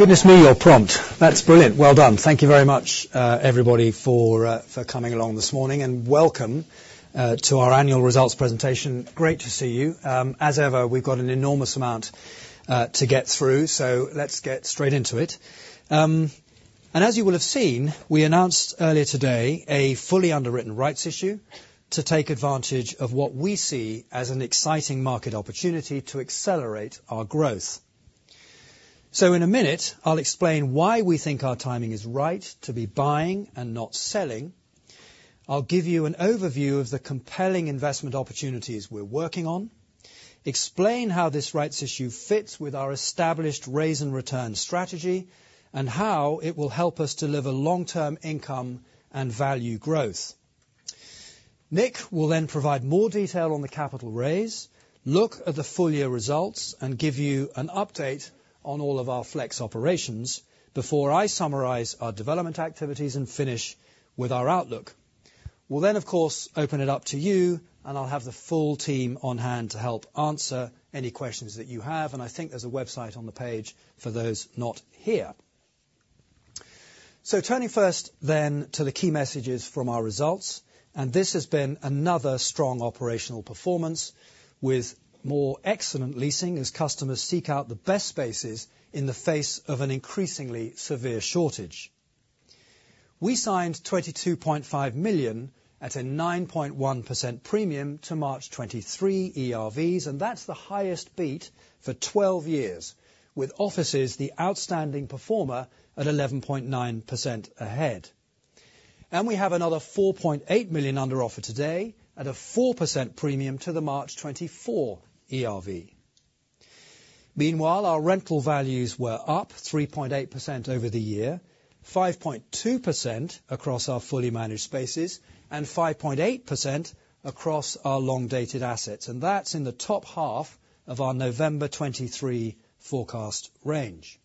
Goodness me, you're prompt! That's brilliant. Well done. Thank you very much, everybody, for coming along this morning, and welcome to our annual results presentation. Great to see you. As ever, we've got an enormous amount to get through, so let's get straight into it. And as you will have seen, we announced earlier today a fully underwritten rights issue to take advantage of what we see as an exciting market opportunity to accelerate our growth. So in a minute, I'll explain why we think our timing is right to be buying and not selling. I'll give you an overview of the compelling investment opportunities we're working on, explain how this rights issue fits with our established raise-and-return strategy, and how it will help us deliver long-term income and value growth. Nick will then provide more detail on the capital raise, look at the full-year results, and give you an update on all of our Flex operations before I summarize our development activities and finish with our outlook. We'll then, of course, open it up to you, and I'll have the full team on hand to help answer any questions that you have, and I think there's a website on the page for those not here. So turning first then to the key messages from our results, and this has been another strong operational performance, with more excellent leasing as customers seek out the best spaces in the face of an increasingly severe shortage. We signed 22.5 million at a 9.1% premium to March 2023 ERVs, and that's the highest beat for 12 years, with offices the outstanding performer at 11.9% ahead. We have another 4.8 million under offer today at a 4% premium to the March 2024 ERV. Meanwhile, our rental values were up 3.8% over the year, 5.2% across our Fully Managed spaces, and 5.8% across our long-dated assets, and that's in the top half of our November 2023 forecast range.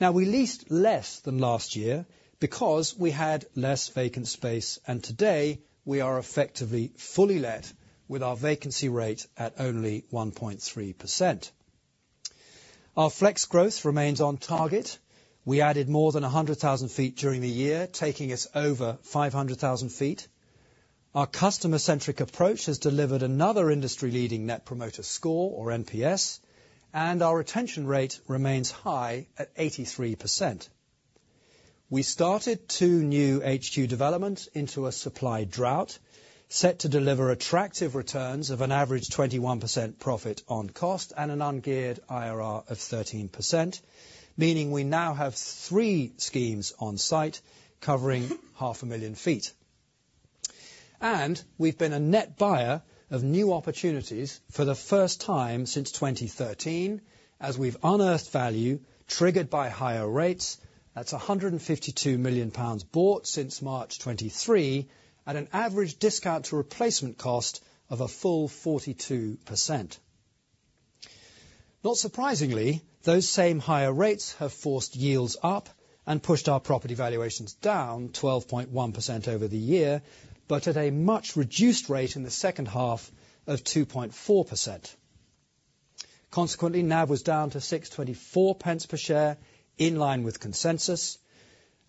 Now, we leased less than last year because we had less vacant space, and today, we are effectively fully let with our vacancy rate at only 1.3%. Our Flex growth remains on target. We added more than 100,000 sq ft during the year, taking us over 500,000 sq ft. Our customer-centric approach has delivered another industry-leading Net Promoter Score, or NPS, and our retention rate remains high at 83%. We started two new HQ developments into a supply drought, set to deliver attractive returns of an average 21% profit on cost and an ungeared IRR of 13%, meaning we now have three schemes on site covering 500,000 sq ft. We've been a net buyer of new opportunities for the first time since 2013, as we've unearthed value triggered by higher rates. That's 152 million pounds bought since March 2023 at an average discount to replacement cost of a full 42%. Not surprisingly, those same higher rates have forced yields up and pushed our property valuations down 12.1% over the year, but at a much reduced rate in the second half of 2.4%. Consequently, NAV was down to 624 pence per share, in line with consensus,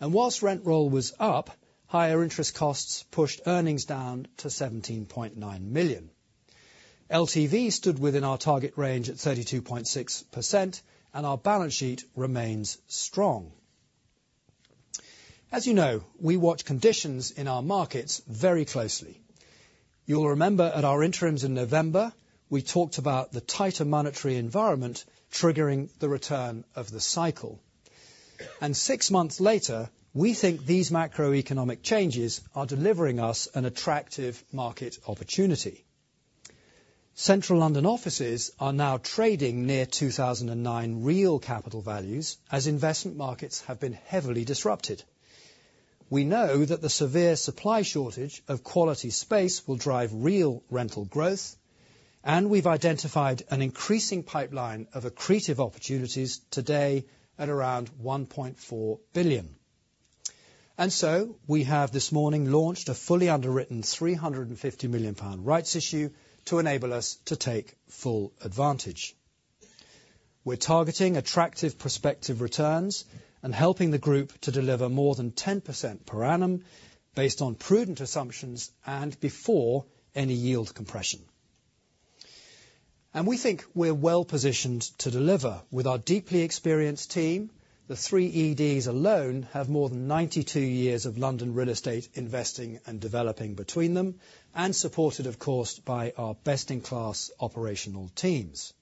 and while rent roll was up, higher interest costs pushed earnings down to 17.9 million. LTV stood within our target range at 32.6%, and our balance sheet remains strong. As you know, we watch conditions in our markets very closely. You'll remember at our interims in November, we talked about the tighter monetary environment triggering the return of the cycle. And six months later, we think these macroeconomic changes are delivering us an attractive market opportunity. Central London offices are now trading near 2009 real capital values as investment markets have been heavily disrupted. We know that the severe supply shortage of quality space will drive real rental growth, and we've identified an increasing pipeline of accretive opportunities today at around 1.4 billion. So we have this morning launched a fully underwritten 350 million pound rights issue to enable us to take full advantage. We're targeting attractive prospective returns and helping the group to deliver more than 10% per annum based on prudent assumptions and before any yield compression. We think we're well-positioned to deliver with our deeply experienced team. The three EDs alone have more than 92 years of London real estate investing and developing between them, and supported, of course, by our best-in-class operational teams.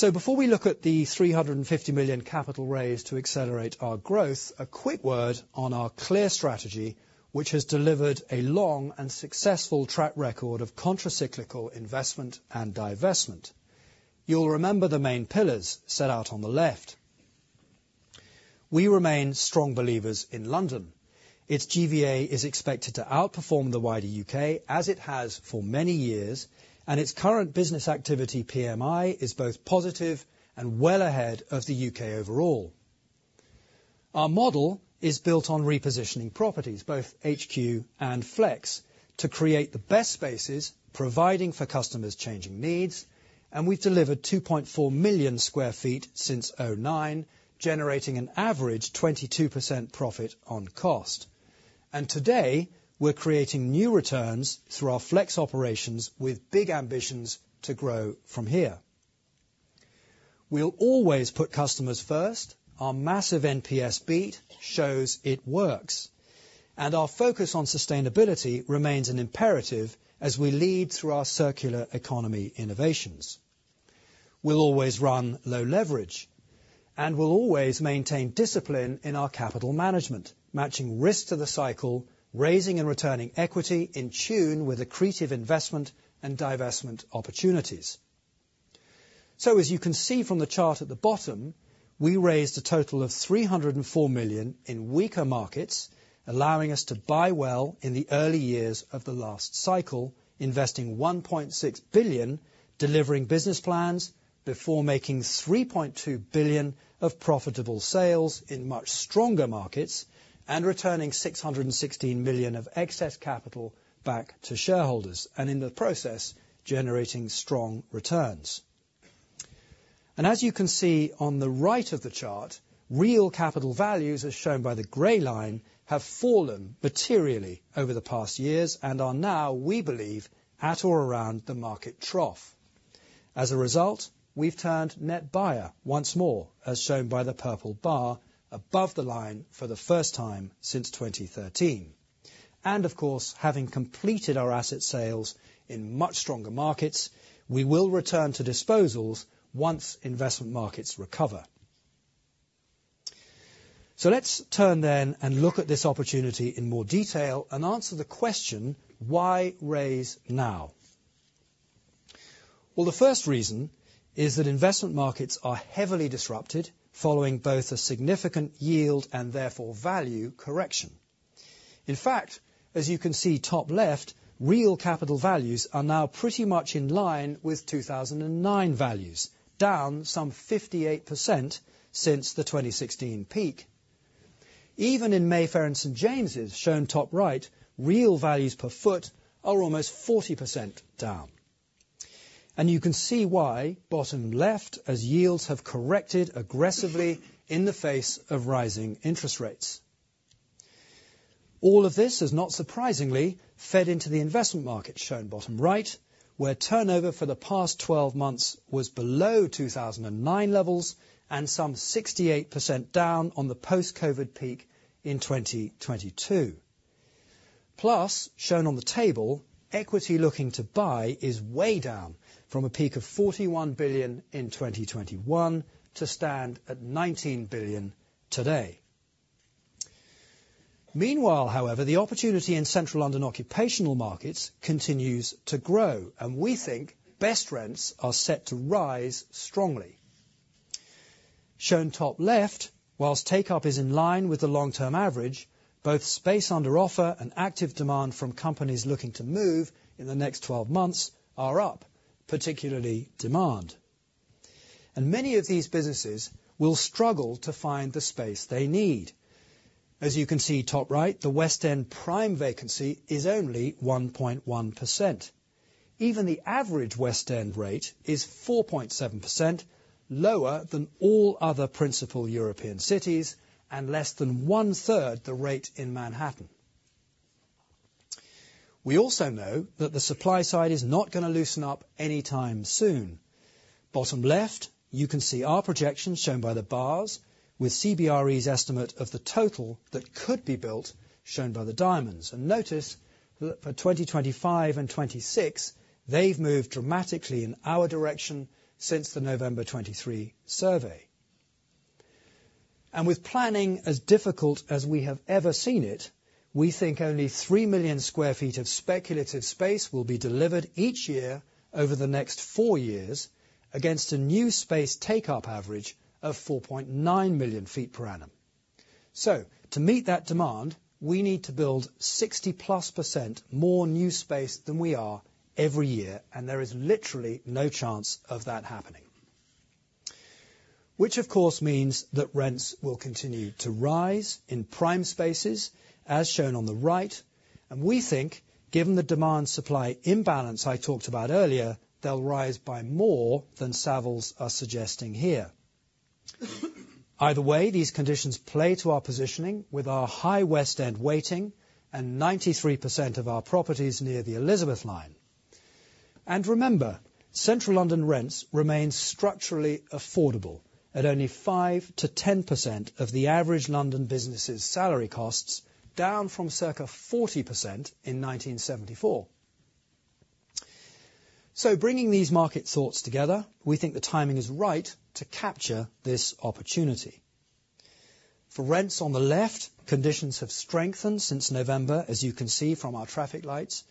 Before we look at the 350 million capital raise to accelerate our growth, a quick word on our clear strategy, which has delivered a long and successful track record of contracyclical investment and divestment. You'll remember the main pillars set out on the left. We remain strong believers in London. Its GVA is expected to outperform the wider UK, as it has for many years, and its current business activity, PMI, is both positive and well ahead of the UK overall. Our model is built on repositioning properties, both HQ and Flex, to create the best spaces, providing for customers' changing needs, and we've delivered 2.4 million sq ft since 2009, generating an average 22% profit on cost. And today, we're creating new returns through our Flex operations, with big ambitions to grow from here. We'll always put customers first. Our massive NPS beat shows it works, and our focus on sustainability remains an imperative as we lead through our circular economy innovations. We'll always run low leverage, and we'll always maintain discipline in our capital management, matching risk to the cycle, raising and returning equity in tune with accretive investment and divestment opportunities. So as you can see from the chart at the bottom, we raised a total of 304 million in weaker markets, allowing us to buy well in the early years of the last cycle, investing 1.6 billion, delivering business plans before making 3.2 billion of profitable sales in much stronger markets, and returning 616 million of excess capital back to shareholders, and in the process, generating strong returns. And as you can see on the right of the chart, real capital values, as shown by the gray line, have fallen materially over the past years and are now, we believe, at or around the market trough. As a result, we've turned net buyer once more, as shown by the purple bar above the line for the first time since 2013. Of course, having completed our asset sales in much stronger markets, we will return to disposals once investment markets recover. Let's turn then and look at this opportunity in more detail and answer the question: Why raise now? Well, the first reason is that investment markets are heavily disrupted, following both a significant yield and therefore value correction. In fact, as you can see, top left, real capital values are now pretty much in line with 2009 values, down some 58% since the 2016 peak. Even in Mayfair and St James's, shown top right, real values per foot are almost 40% down. You can see why, bottom left, as yields have corrected aggressively in the face of rising interest rates. All of this has, not surprisingly, fed into the investment market, shown bottom right, where turnover for the past 12 months was below 2009 levels and some 68% down on the post-COVID peak in 2022. Plus, shown on the table, equity looking to buy is way down from a peak of 41 billion in 2021 to stand at 19 billion today. Meanwhile, however, the opportunity in central London occupational markets continues to grow, and we think best rents are set to rise strongly. Shown top left, while takeup is in line with the long-term average, both space under offer and active demand from companies looking to move in the next 12 months are up, particularly demand. And many of these businesses will struggle to find the space they need. As you can see, top right, the West End prime vacancy is only 1.1%. Even the average West End rate is 4.7%, lower than all other principal European cities and less than one-third the rate in Manhattan. We also know that the supply side is not going to loosen up anytime soon. Bottom left, you can see our projections, shown by the bars, with CBRE's estimate of the total that could be built, shown by the diamonds. And notice that for 2025 and 2026, they've moved dramatically in our direction since the November 2023 survey. And with planning as difficult as we have ever seen it, we think only 3 million sq ft of speculative space will be delivered each year over the next four years, against a new space take-up average of 4.9 million sq ft per annum. So to meet that demand, we need to build 60+% more new space than we are every year, and there is literally no chance of that happening. Which, of course, means that rents will continue to rise in prime spaces, as shown on the right, and we think, given the demand-supply imbalance I talked about earlier, they'll rise by more than Savills are suggesting here. Either way, these conditions play to our positioning with our high West End weighting and 93% of our properties near the Elizabeth line. And remember, central London rents remain structurally affordable at only 5%-10% of the average London business's salary costs, down from circa 40% in 1974. So bringing these market thoughts together, we think the timing is right to capture this opportunity. For rents on the left, conditions have strengthened since November, as you can see from our traffic lights,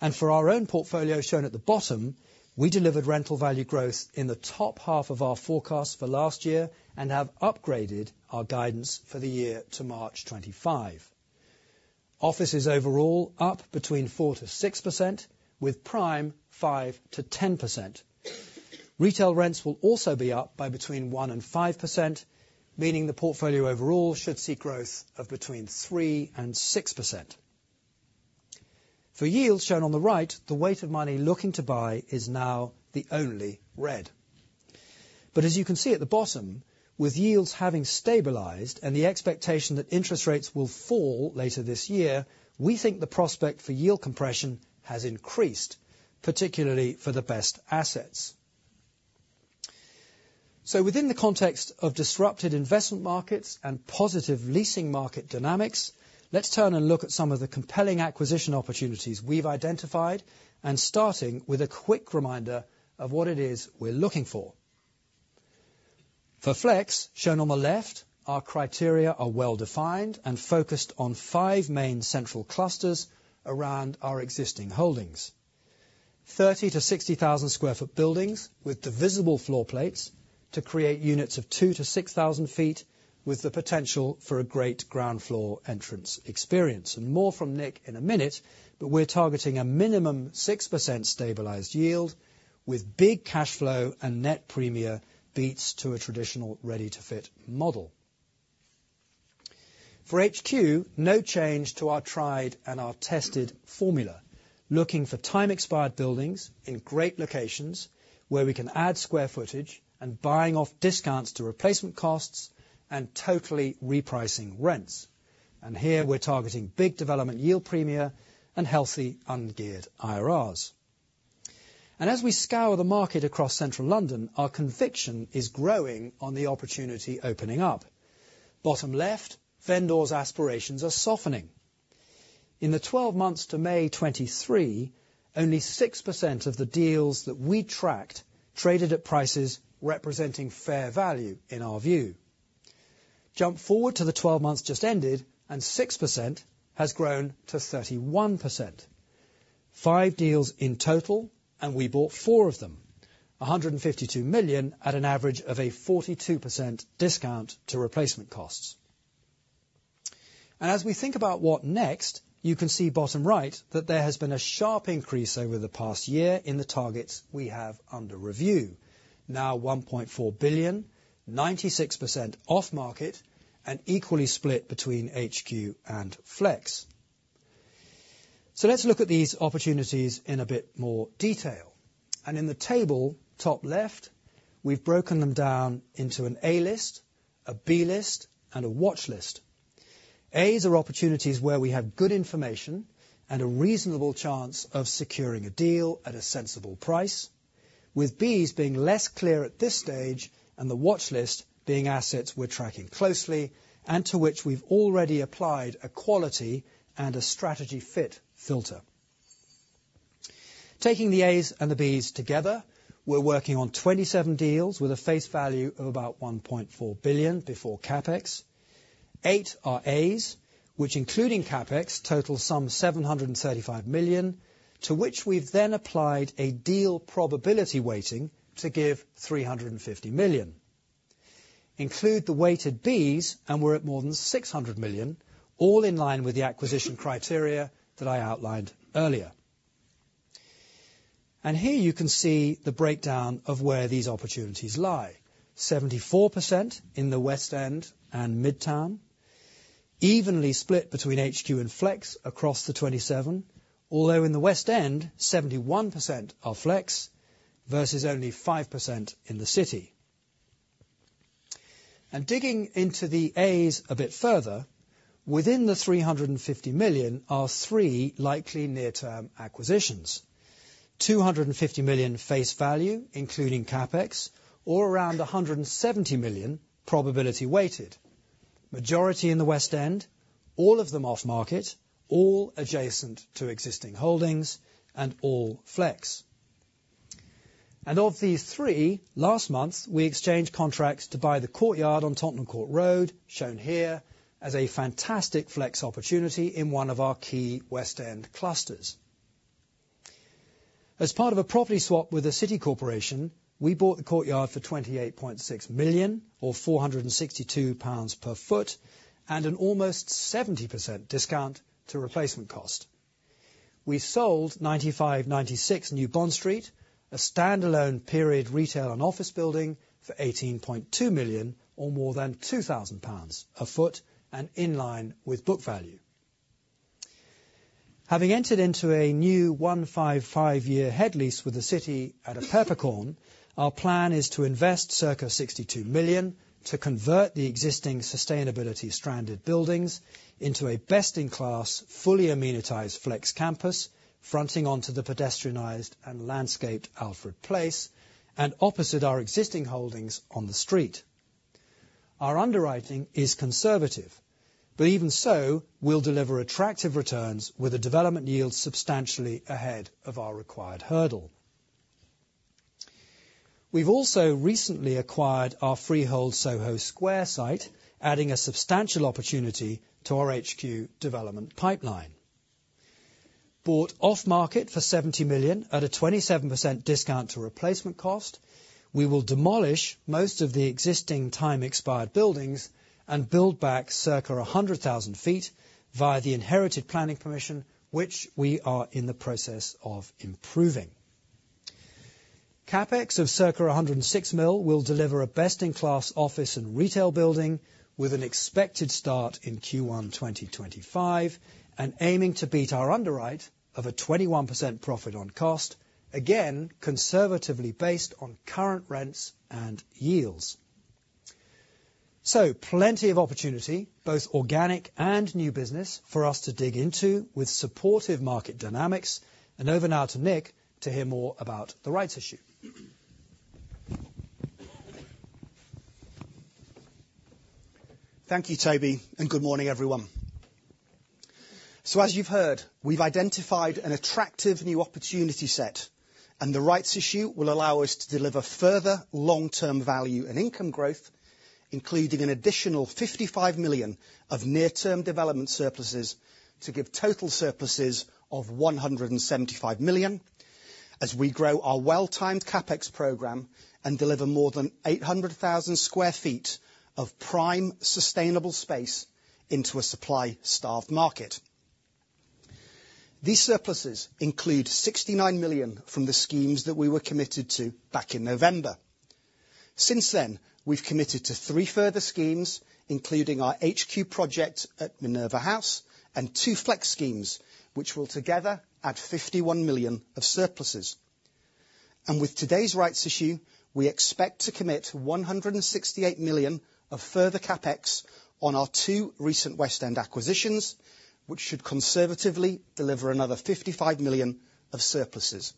and for our own portfolio shown at the bottom, we delivered rental value growth in the top half of our forecast for last year and have upgraded our guidance for the year to March 2025. Offices overall up between 4%-6%, with prime 5%-10%. Retail rents will also be up by between 1% and 5%, meaning the portfolio overall should see growth of between 3% and 6%. For yields shown on the right, the weight of money looking to buy is now the only red. But as you can see at the bottom, with yields having stabilized and the expectation that interest rates will fall later this year, we think the prospect for yield compression has increased, particularly for the best assets. So within the context of disrupted investment markets and positive leasing market dynamics, let's turn and look at some of the compelling acquisition opportunities we've identified, and starting with a quick reminder of what it is we're looking for. For Flex, shown on the left, our criteria are well-defined and focused on five main central clusters around our existing holdings. 30-60,000 sq ft buildings with divisible floor plates to create units of 2,000-6,000 sq ft, with the potential for a great ground floor entrance experience. And more from Nick in a minute, but we're targeting a minimum 6% stabilized yield with big cash flow and net premium beats to a traditional Ready to Fit model. For HQ, no change to our tried and our tested formula. Looking for time-expired buildings in great locations, where we can add square footage and buying off discounts to replacement costs and totally repricing rents. Here we're targeting big development yield premia and healthy ungeared IRRs. As we scour the market across central London, our conviction is growing on the opportunity opening up. Bottom left, vendors' aspirations are softening. In the 12 months to May 2023, only 6% of the deals that we tracked traded at prices representing fair value, in our view. Jump forward to the 12 months just ended, and 6% has grown to 31%. 5 deals in total, and we bought 4 of them. 152 million at an average of a 42% discount to replacement costs. As we think about what next, you can see bottom right that there has been a sharp increase over the past year in the targets we have under review. Now 1.4 billion, 96% off market and equally split between HQ and Flex. So let's look at these opportunities in a bit more detail, and in the table, top left, we've broken them down into an A list, a B list, and a watchlist. A's are opportunities where we have good information and a reasonable chance of securing a deal at a sensible price, with Bs being less clear at this stage and the watchlist being assets we're tracking closely, and to which we've already applied a quality and a strategy fit filter. Taking the As and the Bs together, we're working on 27 deals with a face value of about 1.4 billion before CapEx. Eight are As, which, including CapEx, total some 735 million, to which we've then applied a deal probability weighting to give 350 million. Include the weighted Bs, and we're at more than 600 million, all in line with the acquisition criteria that I outlined earlier. And here you can see the breakdown of where these opportunities lie. 74% in the West End and Midtown, evenly split between HQ and Flex across the 27, although in the West End, 71% are Flex versus only 5% in the City. And digging into the As a bit further, within the 350 million are three likely near-term acquisitions. 250 million face value, including CapEx, or around 170 million probability weighted. Majority in the West End, all of them off market, all adjacent to existing holdings, and all Flex. Of these three, last month, we exchanged contracts to buy The Courtyard on Tottenham Court Road, shown here as a fantastic Flex opportunity in one of our key West End clusters. As part of a property swap with the City of London Corporation, we bought The Courtyard for 28.6 million, or 462 pounds per sq ft, and an almost 70% discount to replacement cost. We sold 95-96 New Bond Street, a standalone period retail and office building, for 18.2 million, or more than 2,000 pounds per sq ft and in line with book value. Having entered into a new 155-year head lease with the City at a peppercorn, our plan is to invest circa 62 million to convert the existing sustainability stranded buildings into a best-in-class, fully amenitized Flex campus, fronting onto the pedestrianized and landscaped Alfred Place and opposite our existing holdings on the street. Our underwriting is conservative, but even so, we'll deliver attractive returns with a development yield substantially ahead of our required hurdle. We've also recently acquired our freehold Soho Square site, adding a substantial opportunity to our HQ development pipeline.... bought off market for 70 million at a 27% discount to replacement cost. We will demolish most of the existing time-expired buildings and build back circa 100,000 sq ft via the inherited planning permission, which we are in the process of improving. CapEx of circa 106 million will deliver a best-in-class office and retail building, with an expected start in Q1 2025, and aiming to beat our underwrite of a 21% profit on cost, again, conservatively based on current rents and yields. So plenty of opportunity, both organic and new business, for us to dig into with supportive market dynamics. And over now to Nick to hear more about the rights issue. Thank you, Toby, and good morning, everyone. So as you've heard, we've identified an attractive new opportunity set, and the rights issue will allow us to deliver further long-term value and income growth, including an additional 55 million of near-term development surpluses to give total surpluses of 175 million, as we grow our well-timed CapEx program and deliver more than 800,000 sq ft of prime, sustainable space into a supply-starved market. These surpluses include 69 million from the schemes that we were committed to back in November. Since then, we've committed to three further schemes, including our HQ project at Minerva House and two Flex schemes, which will together add 51 million of surpluses. With today's rights issue, we expect to commit 168 million of further CapEx on our two recent West End acquisitions, which should conservatively deliver another 55 million of surpluses.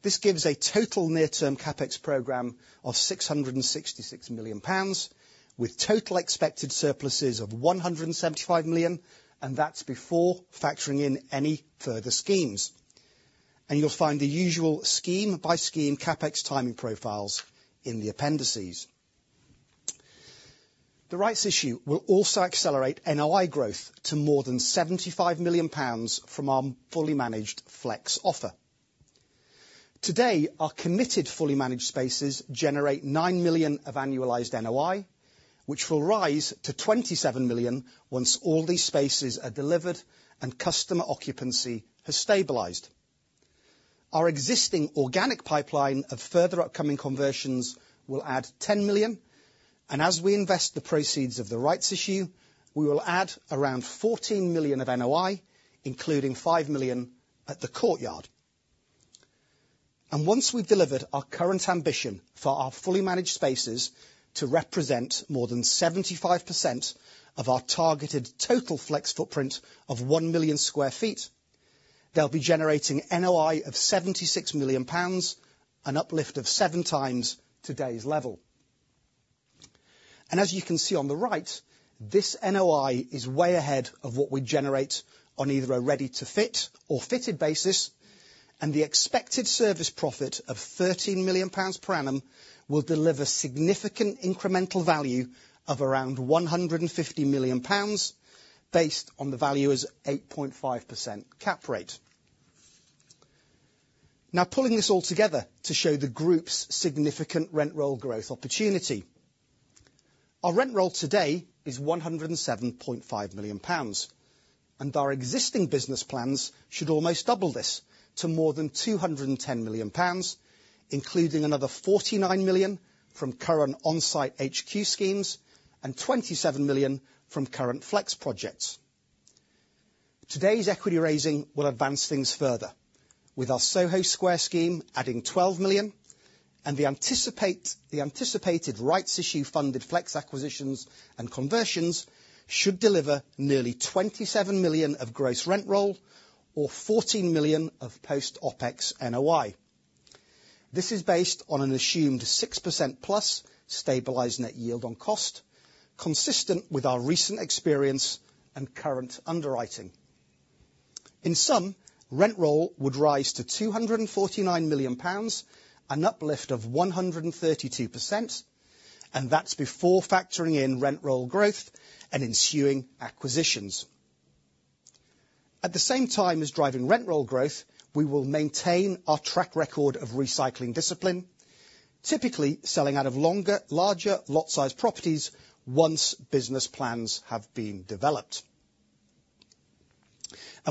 This gives a total near-term CapEx program of 666 million pounds, with total expected surpluses of 175 million, and that's before factoring in any further schemes. You'll find the usual scheme-by-scheme CapEx timing profiles in the appendices. The rights issue will also accelerate NOI growth to more than 75 million pounds from our Fully Managed Flex offer. Today, our committed, Fully Managed spaces generate 9 million of annualized NOI, which will rise to 27 million once all these spaces are delivered and customer occupancy has stabilized. Our existing organic pipeline of further upcoming conversions will add 10 million, and as we invest the proceeds of the rights issue, we will add around 14 million of NOI, including 5 million at The Courtyard. Once we've delivered our current ambition for our Fully Managed spaces to represent more than 75% of our targeted total Flex footprint of 1 million sq ft, they'll be generating NOI of 76 million pounds, an uplift of seven times today's level. As you can see on the right, this NOI is way ahead of what we generate on either a Ready to Fit or fitted basis, and the expected service profit of 13 million pounds per annum will deliver significant incremental value of around 150 million pounds, based on the value as 8.5% cap rate. Now, pulling this all together to show the group's significant rent roll growth opportunity. Our rent roll today is 107.5 million pounds, and our existing business plans should almost double this to more than 210 million pounds, including another 49 million from current on-site HQ schemes and 27 million from current Flex projects. Today's equity raising will advance things further, with our Soho Square scheme adding 12 million, and the anticipated rights issue funded Flex acquisitions and conversions should deliver nearly 27 million of gross rent roll or 14 million of post-OpEx NOI. This is based on an assumed 6%+ stabilized net yield on cost, consistent with our recent experience and current underwriting. In sum, rent roll would rise to 249 million pounds, an uplift of 132%, and that's before factoring in rent roll growth and ensuing acquisitions. At the same time as driving rent roll growth, we will maintain our track record of recycling discipline, typically selling out of longer, larger lot-sized properties once business plans have been developed.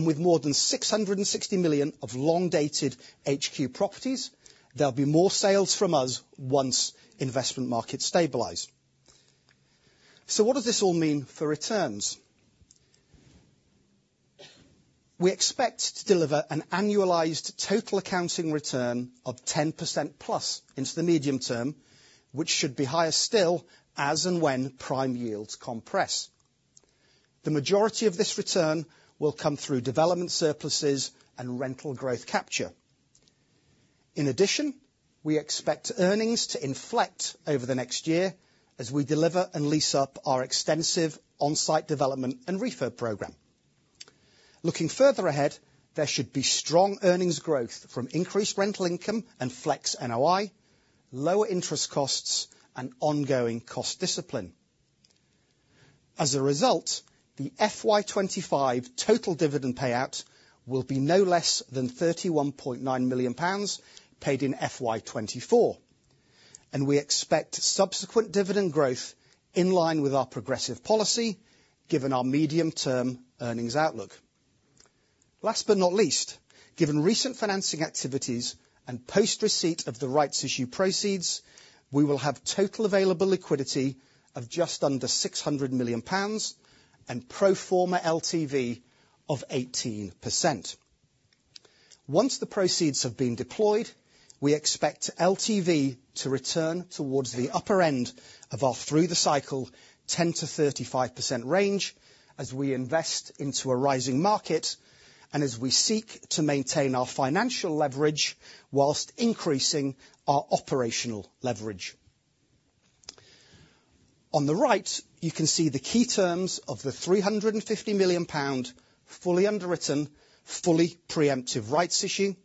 With more than 660 million of long-dated HQ properties, there'll be more sales from us once investment markets stabilize. What does this all mean for returns? We expect to deliver an annualized total accounting return of 10%+ in the medium term, which should be higher still as and when prime yields compress. The majority of this return will come through development surpluses and rental growth capture. In addition, we expect earnings to inflect over the next year as we deliver and lease up our extensive on-site development and refurb program. Looking further ahead, there should be strong earnings growth from increased rental income and Flex NOI, lower interest costs, and ongoing cost discipline. As a result, the FY 25 total dividend payout will be no less than 31.9 million pounds, paid in FY 24. We expect subsequent dividend growth in line with our progressive policy, given our medium-term earnings outlook. Last but not least, given recent financing activities and post-receipt of the rights issue proceeds, we will have total available liquidity of just under 600 million pounds, and pro forma LTV of 18%. Once the proceeds have been deployed, we expect LTV to return towards the upper end of our through the cycle 10%-35% range, as we invest into a rising market, and as we seek to maintain our financial leverage while increasing our operational leverage. On the right, you can see the key terms of the 350 million pound fully underwritten, fully preemptive rights issue,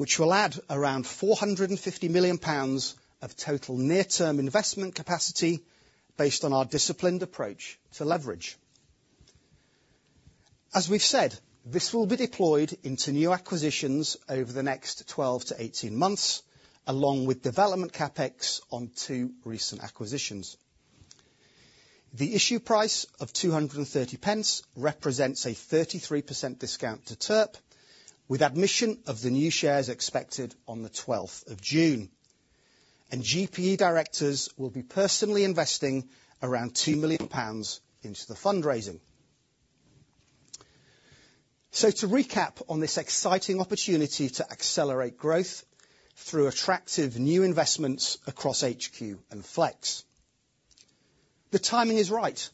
which will add around 450 million pounds of total near-term investment capacity, based on our disciplined approach to leverage. As we've said, this will be deployed into new acquisitions over the next 12-18 months, along with development CapEx on two recent acquisitions. The issue price of 2.30 represents a 33% discount to TERP, with admission of the new shares expected on the June 12th. GPE directors will be personally investing around 2 million pounds into the fundraising. To recap on this exciting opportunity to accelerate growth through attractive new investments across HQ and Flex. The timing is right,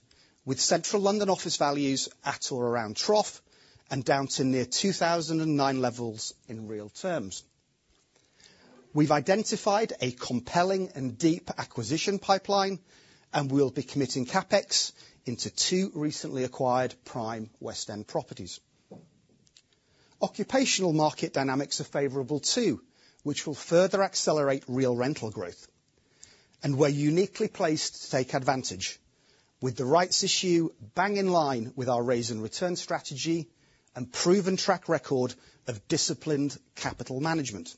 with central London office values at or around trough, and down to near 2009 levels in real terms. We've identified a compelling and deep acquisition pipeline, and we'll be committing CapEx into two recently acquired prime West End properties. Occupational market dynamics are favorable, too, which will further accelerate real rental growth. We're uniquely placed to take advantage, with the rights issue bang in line with our raise and return strategy, and proven track record of disciplined capital management.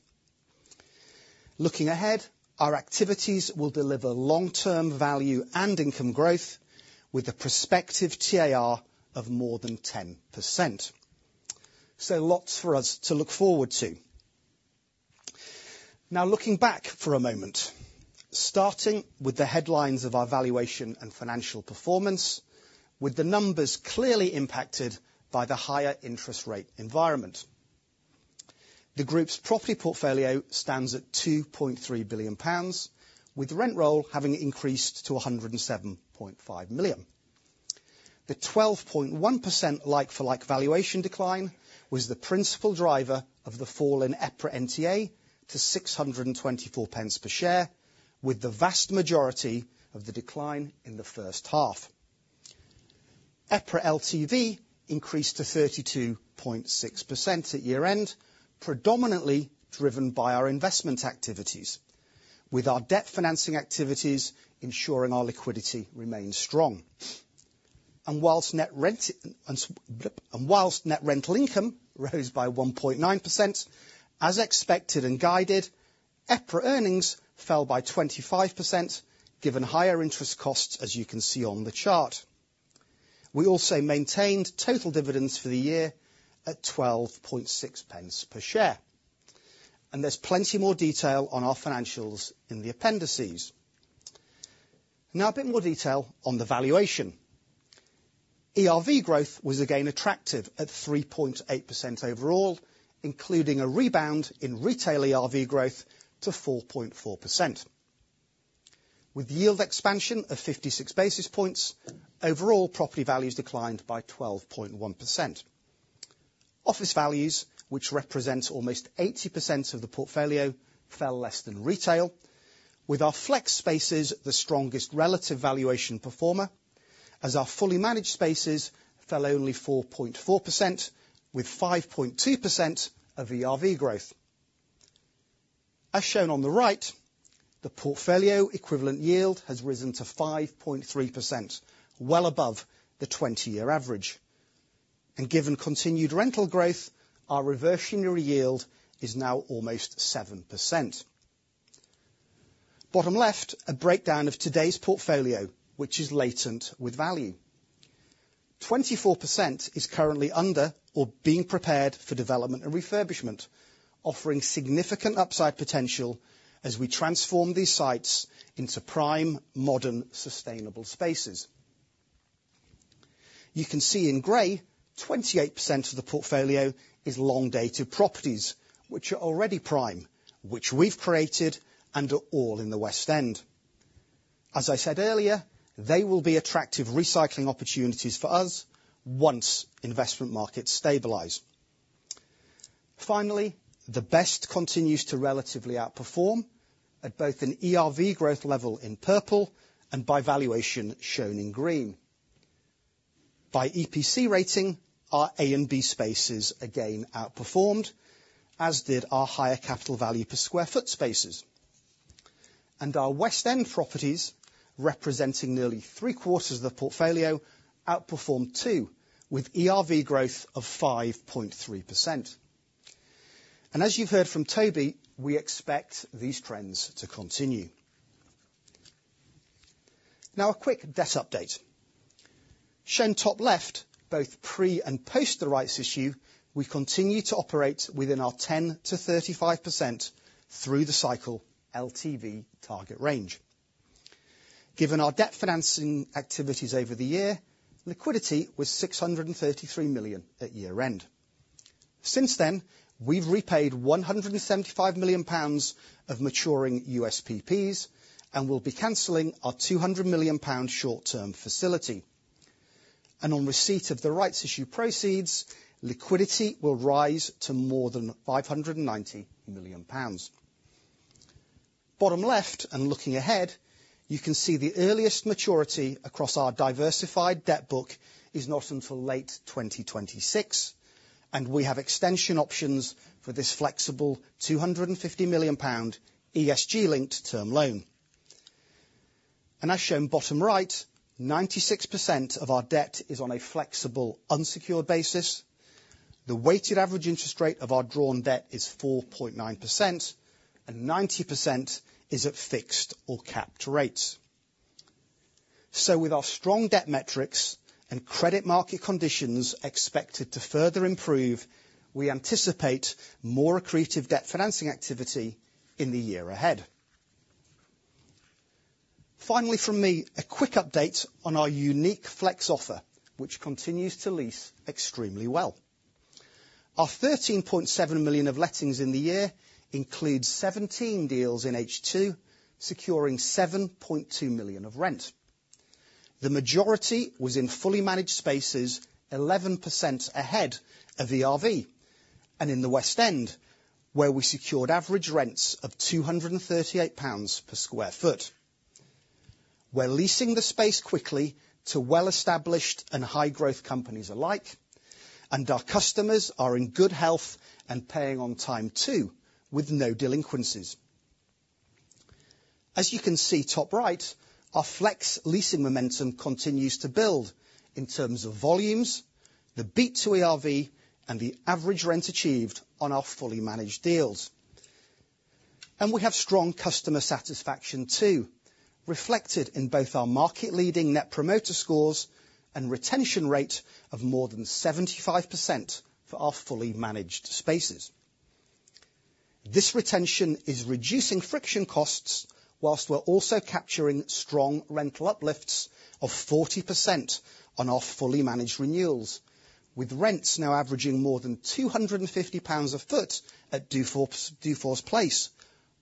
Looking ahead, our activities will deliver long-term value and income growth, with a prospective TAR of more than 10%. Lots for us to look forward to. Now, looking back for a moment, starting with the headlines of our valuation and financial performance, with the numbers clearly impacted by the higher interest rate environment. The group's property portfolio stands at 2.3 billion pounds, with rent roll having increased to 107.5 million. The 12.1% like-for-like valuation decline was the principal driver of the fall in EPRA NTA to 6.24 per share, with the vast majority of the decline in the first half. EPRA LTV increased to 32.6% at year-end, predominantly driven by our investment activities, with our debt financing activities ensuring our liquidity remains strong. And whilst net rental income rose by 1.9%, as expected and guided, EPRA earnings fell by 25%, given higher interest costs, as you can see on the chart. We also maintained total dividends for the year at 12.6 pence per share. And there's plenty more detail on our financials in the appendices. Now, a bit more detail on the valuation. ERV growth was again attractive at 3.8% overall, including a rebound in retail ERV growth to 4.4%. With yield expansion of 56 basis points, overall property values declined by 12.1%. Office values, which represents almost 80% of the portfolio, fell less than retail, with our Flex spaces the strongest relative valuation performer, as our Fully Managed spaces fell only 4.4%, with 5.2% of ERV growth. As shown on the right, the portfolio equivalent yield has risen to 5.3%, well above the 20-year average. Given continued rental growth, our reversionary yield is now almost 7%. Bottom left, a breakdown of today's portfolio, which is latent with value. 24% is currently under or being prepared for development and refurbishment, offering significant upside potential as we transform these sites into prime, modern, sustainable spaces. You can see in gray, 28% of the portfolio is long-dated properties, which are already prime, which we've created and are all in the West End. As I said earlier, they will be attractive recycling opportunities for us once investment markets stabilize. Finally, the best continues to relatively outperform at both an ERV growth level in purple and by valuation shown in green. By EPC rating, our A and B spaces again outperformed, as did our higher capital value per sq ft spaces. And our West End properties, representing nearly three quarters of the portfolio, outperformed, too, with ERV growth of 5.3%. And as you've heard from Toby, we expect these trends to continue. Now, a quick debt update. Shown top left, both pre and post the rights issue, we continue to operate within our 10%-35% through the cycle LTV target range. Given our debt financing activities over the year, liquidity was 633 million at year-end. Since then, we've repaid 175 million pounds of maturing USPPs, and we'll be canceling our 200 million pound short-term facility. On receipt of the rights issue proceeds, liquidity will rise to more than 590 million pounds. Bottom left, and looking ahead, you can see the earliest maturity across our diversified debt book is not until late 2026, and we have extension options for this flexible 250 million pound ESG-linked term loan. As shown bottom right, 96% of our debt is on a flexible, unsecured basis. The weighted average interest rate of our drawn debt is 4.9%, and 90% is at fixed or capped rates. With our strong debt metrics and credit market conditions expected to further improve, we anticipate more accretive debt financing activity in the year ahead. Finally, from me, a quick update on our unique Flex offer, which continues to lease extremely well. Our 13.7 million of lettings in the year includes 17 deals in H2, securing 7.2 million of rent. The majority was in Fully Managed spaces, 11% ahead of ERV, and in the West End, where we secured average rents of 238 pounds per sq ft. We're leasing the space quickly to well-established and high-growth companies alike, and our customers are in good health and paying on time, too, with no delinquencies. As you can see, top right, our Flex leasing momentum continues to build in terms of volumes, the beat to ERV, and the average rent achieved on our Fully Managed deals. We have strong customer satisfaction, too, reflected in both our market-leading Net Promoter Scores and retention rate of more than 75% for our Fully Managed spaces. This retention is reducing friction costs, while we're also capturing strong rental uplifts of 40% on our Fully Managed renewals, with rents now averaging more than 250 pounds a foot at Dufour's Place,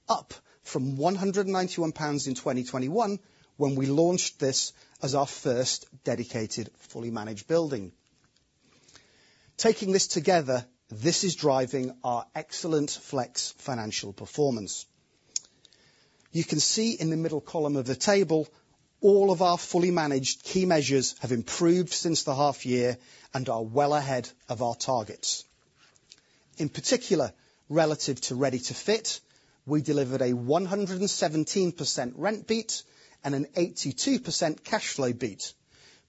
up from 191 pounds in 2021, when we launched this as our first dedicated, Fully Managed building. Taking this together, this is driving our excellent Flex financial performance. You can see in the middle column of the table, all of our Fully Managed key measures have improved since the half year and are well ahead of our targets. In particular, relative to Ready to Fit, we delivered a 117% rent beat and an 82% cash flow beat,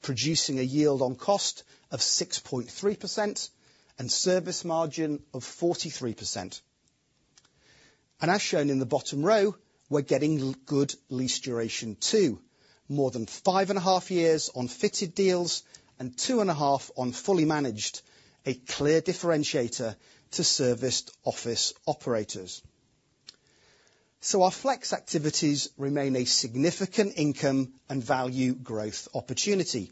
producing a yield on cost of 6.3% and service margin of 43%. As shown in the bottom row, we're getting good lease duration, too. More than 5.5 years on fitted deals and 2.5 on Fully Managed, a clear differentiator to serviced office operators. Our Flex activities remain a significant income and value growth opportunity.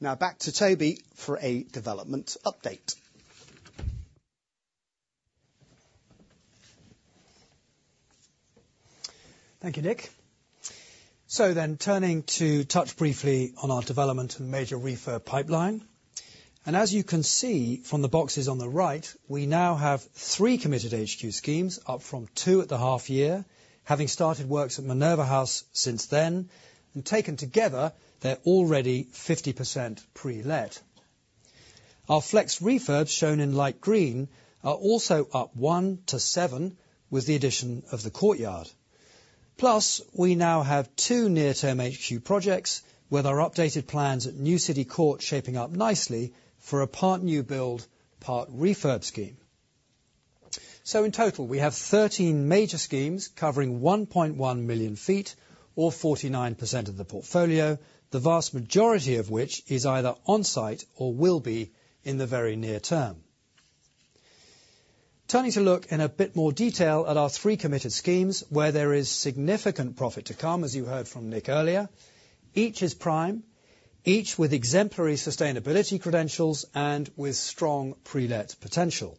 Now back to Toby for a development update. Thank you, Nick. So then turning to touch briefly on our development and major refurb pipeline, and as you can see from the boxes on the right, we now have 3 committed HQ schemes, up from 2 at the half year, having started works at Minerva House since then, and taken together, they're already 50% pre-let. Our Flex refurbs, shown in light green, are also up 1 to 7, with the addition of The Courtyard. Plus, we now have 2 near-term HQ projects, with our updated plans at New City Court shaping up nicely for a part new build, part refurb scheme. So in total, we have 13 major schemes covering 1.1 million sq ft or 49% of the portfolio, the vast majority of which is either on-site or will be in the very near term. Turning to look in a bit more detail at our three committed schemes, where there is significant profit to come, as you heard from Nick earlier, each is prime, each with exemplary sustainability credentials and with strong pre-let potential.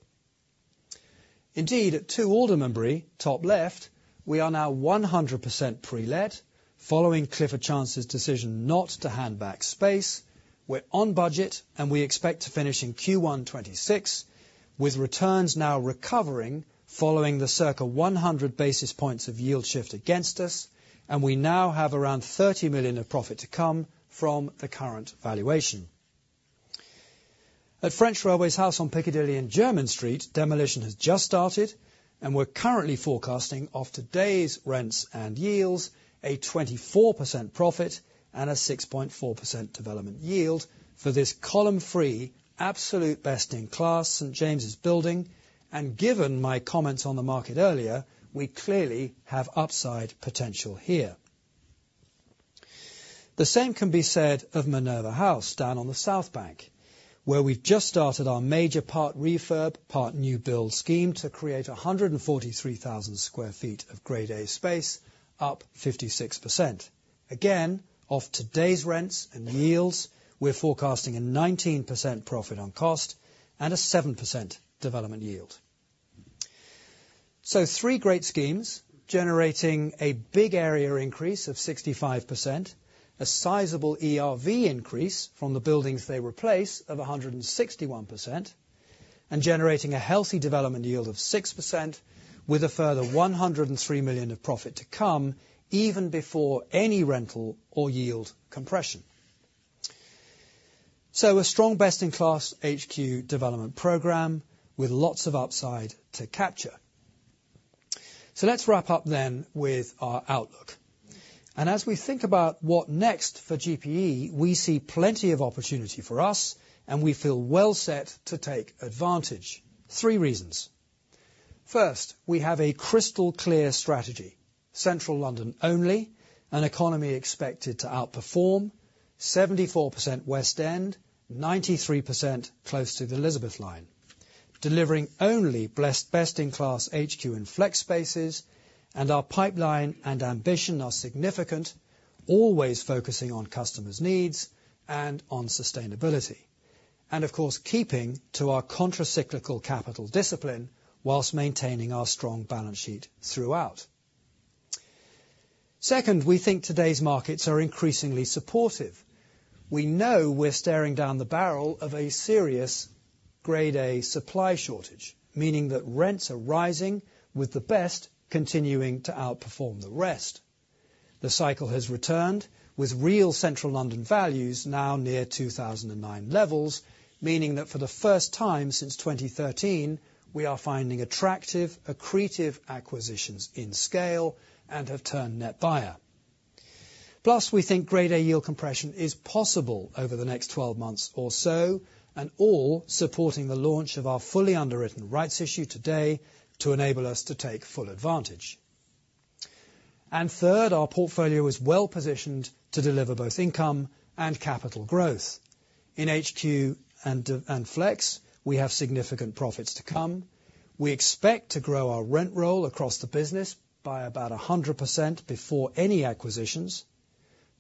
Indeed, at 2 Aldermanbury Square, top left, we are now 100% pre-let, following Clifford Chance's decision not to hand back space. We're on budget, and we expect to finish in Q1 2026, with returns now recovering following the circa 100 basis points of yield shift against us, and we now have around 30 million of profit to come from the current valuation. At French Railways House on Piccadilly and Jermyn Street, demolition has just started, and we're currently forecasting off today's rents and yields, a 24% profit and a 6.4% development yield for this column-free, absolute best-in-class St James's building. Given my comments on the market earlier, we clearly have upside potential here. The same can be said of Minerva House, down on the South Bank, where we've just started our major part refurb, part new build scheme to create 143,000 sq ft of Grade A space, up 56%. Again, off today's rents and yields, we're forecasting a 19% profit on cost and a 7% development yield. Three great schemes generating a big area increase of 65%, a sizable ERV increase from the buildings they replace of 161%, and generating a healthy development yield of 6%, with a further 103 million of profit to come, even before any rental or yield compression. A strong, best-in-class HQ development program with lots of upside to capture. So let's wrap up then with our outlook. As we think about what next for GPE, we see plenty of opportunity for us, and we feel well set to take advantage. 3 reasons: First, we have a crystal-clear strategy. Central London only, an economy expected to outperform, 74% West End, 93% close to the Elizabeth line, delivering only the best-in-class HQ and Flex spaces, and our pipeline and ambition are significant, always focusing on customers' needs and on sustainability, and of course, keeping to our contracyclical capital discipline whilst maintaining our strong balance sheet throughout. Second, we think today's markets are increasingly supportive. We know we're staring down the barrel of a serious Grade A supply shortage, meaning that rents are rising, with the best continuing to outperform the rest. The cycle has returned, with real central London values now near 2009 levels, meaning that for the first time since 2013, we are finding attractive, accretive acquisitions in scale and have turned net buyer. Plus, we think Grade A yield compression is possible over the next 12 months or so, and all supporting the launch of our fully underwritten rights issue today to enable us to take full advantage. And third, our portfolio is well-positioned to deliver both income and capital growth. In HQ and Flex, we have significant profits to come. We expect to grow our rent roll across the business by about 100% before any acquisitions,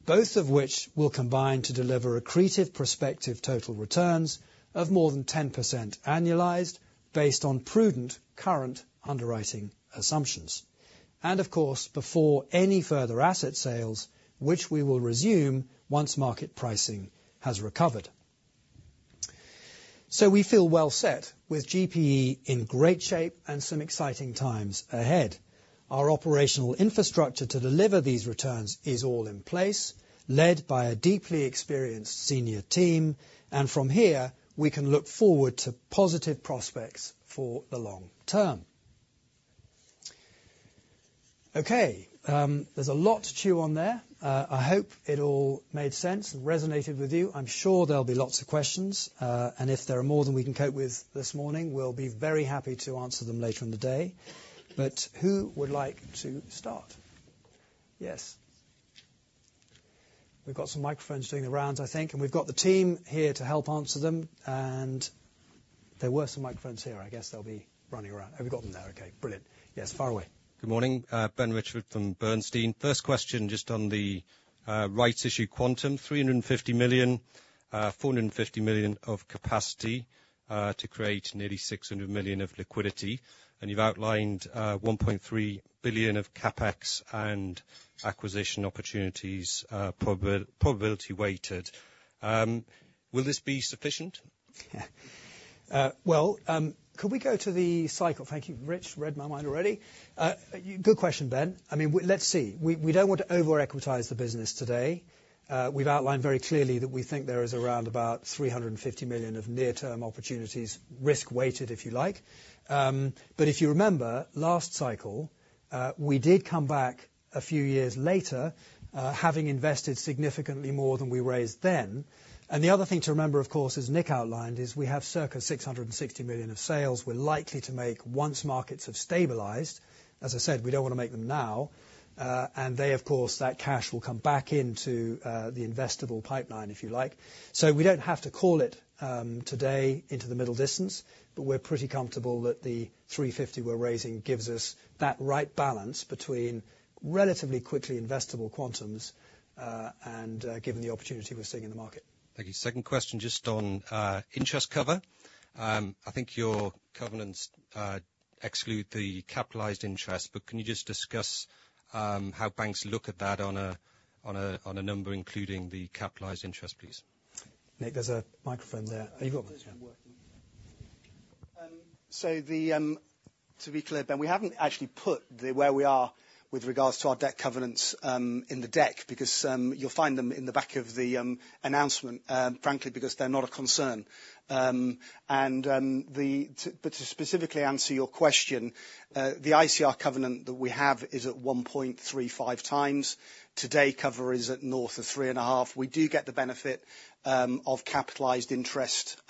both of which will combine to deliver accretive prospective total returns of more than 10% annualized, based on prudent current underwriting assumptions. And of course, before any further asset sales, which we will resume once market pricing has recovered. So we feel well set with GPE in great shape and some exciting times ahead. Our operational infrastructure to deliver these returns is all in place, led by a deeply experienced senior team, and from here, we can look forward to positive prospects for the long term. Okay, there's a lot to chew on there. I hope it all made sense and resonated with you. I'm sure there'll be lots of questions, and if there are more than we can cope with this morning, we'll be very happy to answer them later in the day. But who would like to start? Yes. We've got some microphones doing the rounds, I think, and we've got the team here to help answer them, and there were some microphones here. I guess they'll be running around. Have we got them there? Okay, brilliant. Yes, far away. Good morning, Ben Richford from Bernstein. First question, just on the rights issue, quantum, 350 million, 450 million of capacity, to create nearly 600 million of liquidity. You've outlined, 1.3 billion of CapEx and acquisition opportunities, probability weighted. Will this be sufficient? Well, could we go to the cycle? Thank you. Rich read my mind already. Good question, Ben. I mean, let's see. We don't want to over-equitize the business today. We've outlined very clearly that we think there is around about 350 million of near-term opportunities, risk-weighted, if you like. But if you remember, last cycle, we did come back a few years later, having invested significantly more than we raised then. And the other thing to remember, of course, as Nick outlined, is we have circa 660 million of sales we're likely to make once markets have stabilized. As I said, we don't want to make them now. And they, of course, that cash will come back into the investable pipeline, if you like. So we don't have to call it today into the middle distance, but we're pretty comfortable that the 350 million we're raising gives us that right balance between relatively quickly investable quantums, and given the opportunity we're seeing in the market. Thank you. Second question, just on interest cover. I think your covenants exclude the capitalized interest, but can you just discuss how banks look at that on a number, including the capitalized interest, please? Nick, there's a microphone there. Have you got one?... So, to be clear, Ben, we haven't actually put where we are with regards to our debt covenants in the deck, because you'll find them in the back of the announcement, frankly, because they're not a concern. But to specifically answer your question, the ICR covenant that we have is at 1.35 times. Today, cover is at north of 3.5. We do get the benefit of capitalized interest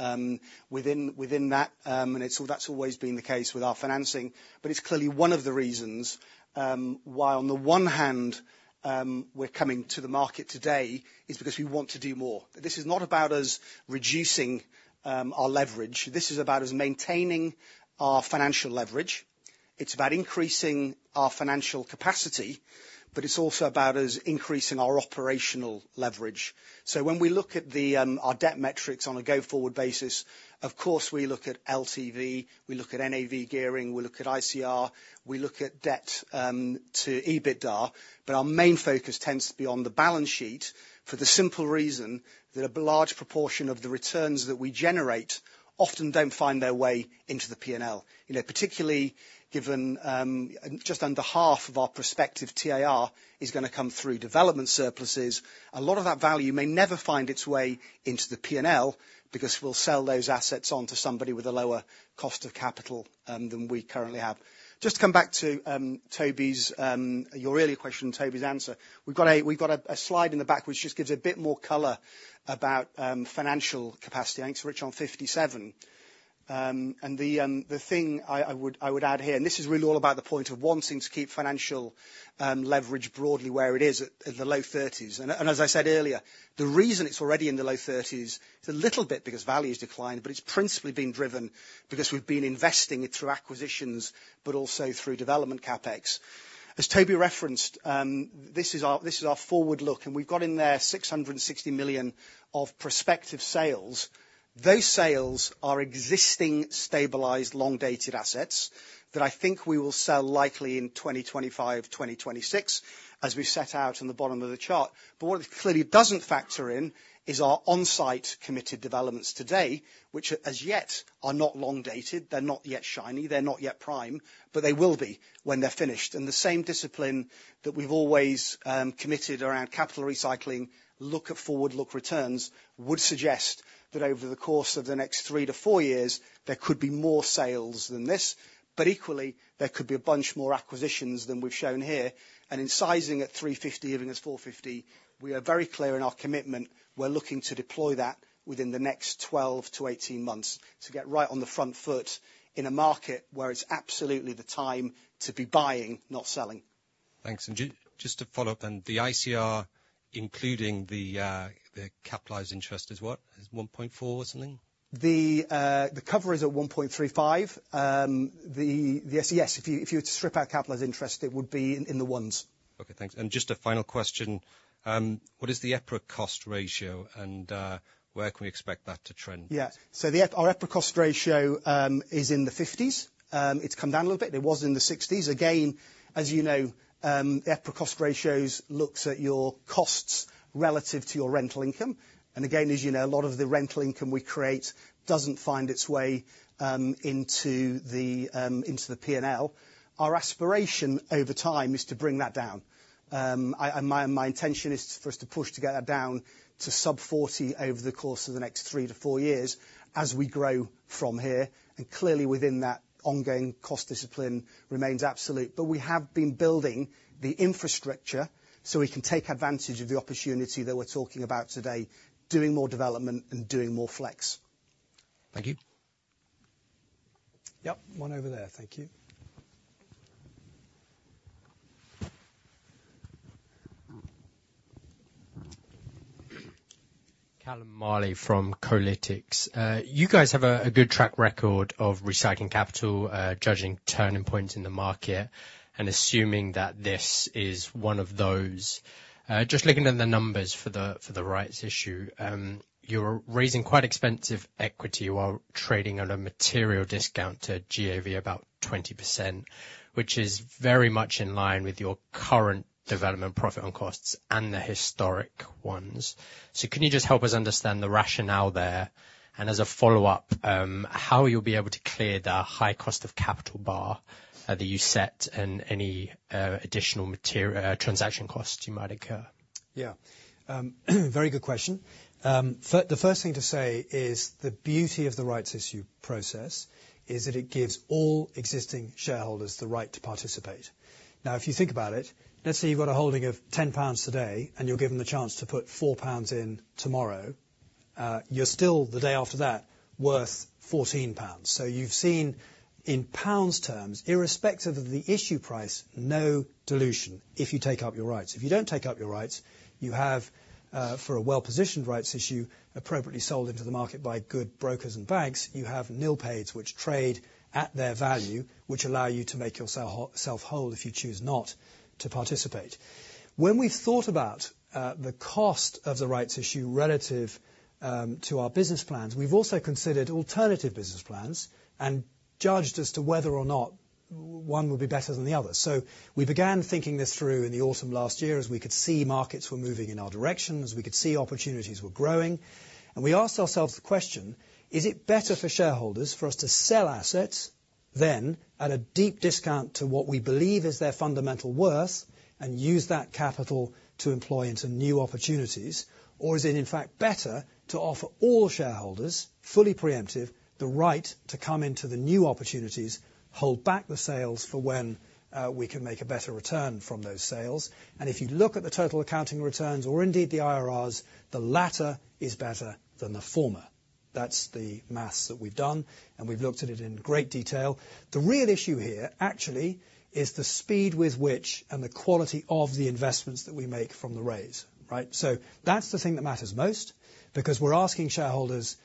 within that, and that's always been the case with our financing. But it's clearly one of the reasons why, on the one hand, we're coming to the market today, is because we want to do more. This is not about us reducing our leverage. This is about us maintaining our financial leverage. It's about increasing our financial capacity, but it's also about us increasing our operational leverage. So when we look at the our debt metrics on a go-forward basis, of course, we look at LTV, we look at NAV gearing, we look at ICR, we look at debt to EBITDA. But our main focus tends to be on the balance sheet, for the simple reason that a large proportion of the returns that we generate often don't find their way into the P&L. You know, particularly given just under half of our prospective TAR is gonna come through development surpluses. A lot of that value may never find its way into the P&L, because we'll sell those assets on to somebody with a lower cost of capital than we currently have. Just to come back to Toby's your earlier question and Toby's answer, we've got a slide in the back, which just gives a bit more color about financial capacity. I think it's right on 57. And the thing I would add here, and this is really all about the point of wanting to keep financial leverage broadly where it is, at in the low thirties. And as I said earlier, the reason it's already in the low thirties, it's a little bit because value's declined, but it's principally been driven because we've been investing it through acquisitions, but also through development CapEx. As Toby referenced, this is our forward look, and we've got in there 660 million of prospective sales. Those sales are existing, stabilized, long-dated assets that I think we will sell likely in 2025, 2026, as we've set out in the bottom of the chart. But what it clearly doesn't factor in is our on-site committed developments today, which as yet, are not long dated. They're not yet shiny, they're not yet prime, but they will be when they're finished. And the same discipline that we've always committed around capital recycling, look at forward-look returns, would suggest that over the course of the next 3-4 years, there could be more sales than this. But equally, there could be a bunch more acquisitions than we've shown here. In sizing at 350, even as 450, we are very clear in our commitment, we're looking to deploy that within the next 12-18 months, to get right on the front foot in a market where it's absolutely the time to be buying, not selling. Thanks. And just to follow up then, the ICR, including the capitalized interest, is what? It's 1.4 or something? The cover is at 1.35. Yes, yes, if you were to strip out capitalized interest, it would be in the ones. Okay, thanks. And just a final question: what is the EPRA cost ratio, and where can we expect that to trend? Yeah. So our EPRA cost ratio is in the 50s. It's come down a little bit, it was in the 60s. Again, as you know, the EPRA cost ratio looks at your costs relative to your rental income. And again, as you know, a lot of the rental income we create doesn't find its way into the into the P&L. Our aspiration over time is to bring that down. I and my my intention is for us to push to get that down to sub-40 over the course of the next three to four years as we grow from here. And clearly, within that, ongoing cost discipline remains absolute. But we have been building the infrastructure so we can take advantage of the opportunity that we're talking about today, doing more development and doing more Flex. Thank you. Yep. One over there. Thank you. Callum Marley from Kolytics. You guys have a good track record of recycling capital, judging turning points in the market, and assuming that this is one of those. Just looking at the numbers for the rights issue, you're raising quite expensive equity while trading at a material discount to GAV about 20%, which is very much in line with your current development profit on costs and the historic ones. So can you just help us understand the rationale there? And as a follow-up, how you'll be able to clear the high cost of capital bar that you set, and any additional material transaction costs you might incur? Yeah, very good question. The first thing to say is, the beauty of the rights issue process is that it gives all existing shareholders the right to participate. Now, if you think about it, let's say you've got a holding of 10 pounds today, and you're given the chance to put 4 pounds in tomorrow, you're still, the day after that, worth 14 pounds. So you've seen, in pounds terms, irrespective of the issue price, no dilution, if you take up your rights. If you don't take up your rights, you have, for a well-positioned rights issue, appropriately sold into the market by good brokers and banks, you have nil paid, which trade at their value, which allow you to make yourself self-whole, if you choose not to participate. When we thought about the cost of the rights issue relative to our business plans, we've also considered alternative business plans and judged as to whether or not-... one would be better than the other. So we began thinking this through in the autumn last year, as we could see markets were moving in our direction, as we could see opportunities were growing. And we asked ourselves the question: Is it better for shareholders for us to sell assets, then, at a deep discount to what we believe is their fundamental worth, and use that capital to employ into new opportunities? Or is it, in fact, better to offer all shareholders, fully preemptive, the right to come into the new opportunities, hold back the sales for when we can make a better return from those sales? And if you look at the total accounting returns, or indeed the IRRs, the latter is better than the former. That's the math that we've done, and we've looked at it in great detail. The real issue here, actually, is the speed with which and the quality of the investments that we make from the raise, right? So that's the thing that matters most, because we're asking shareholders to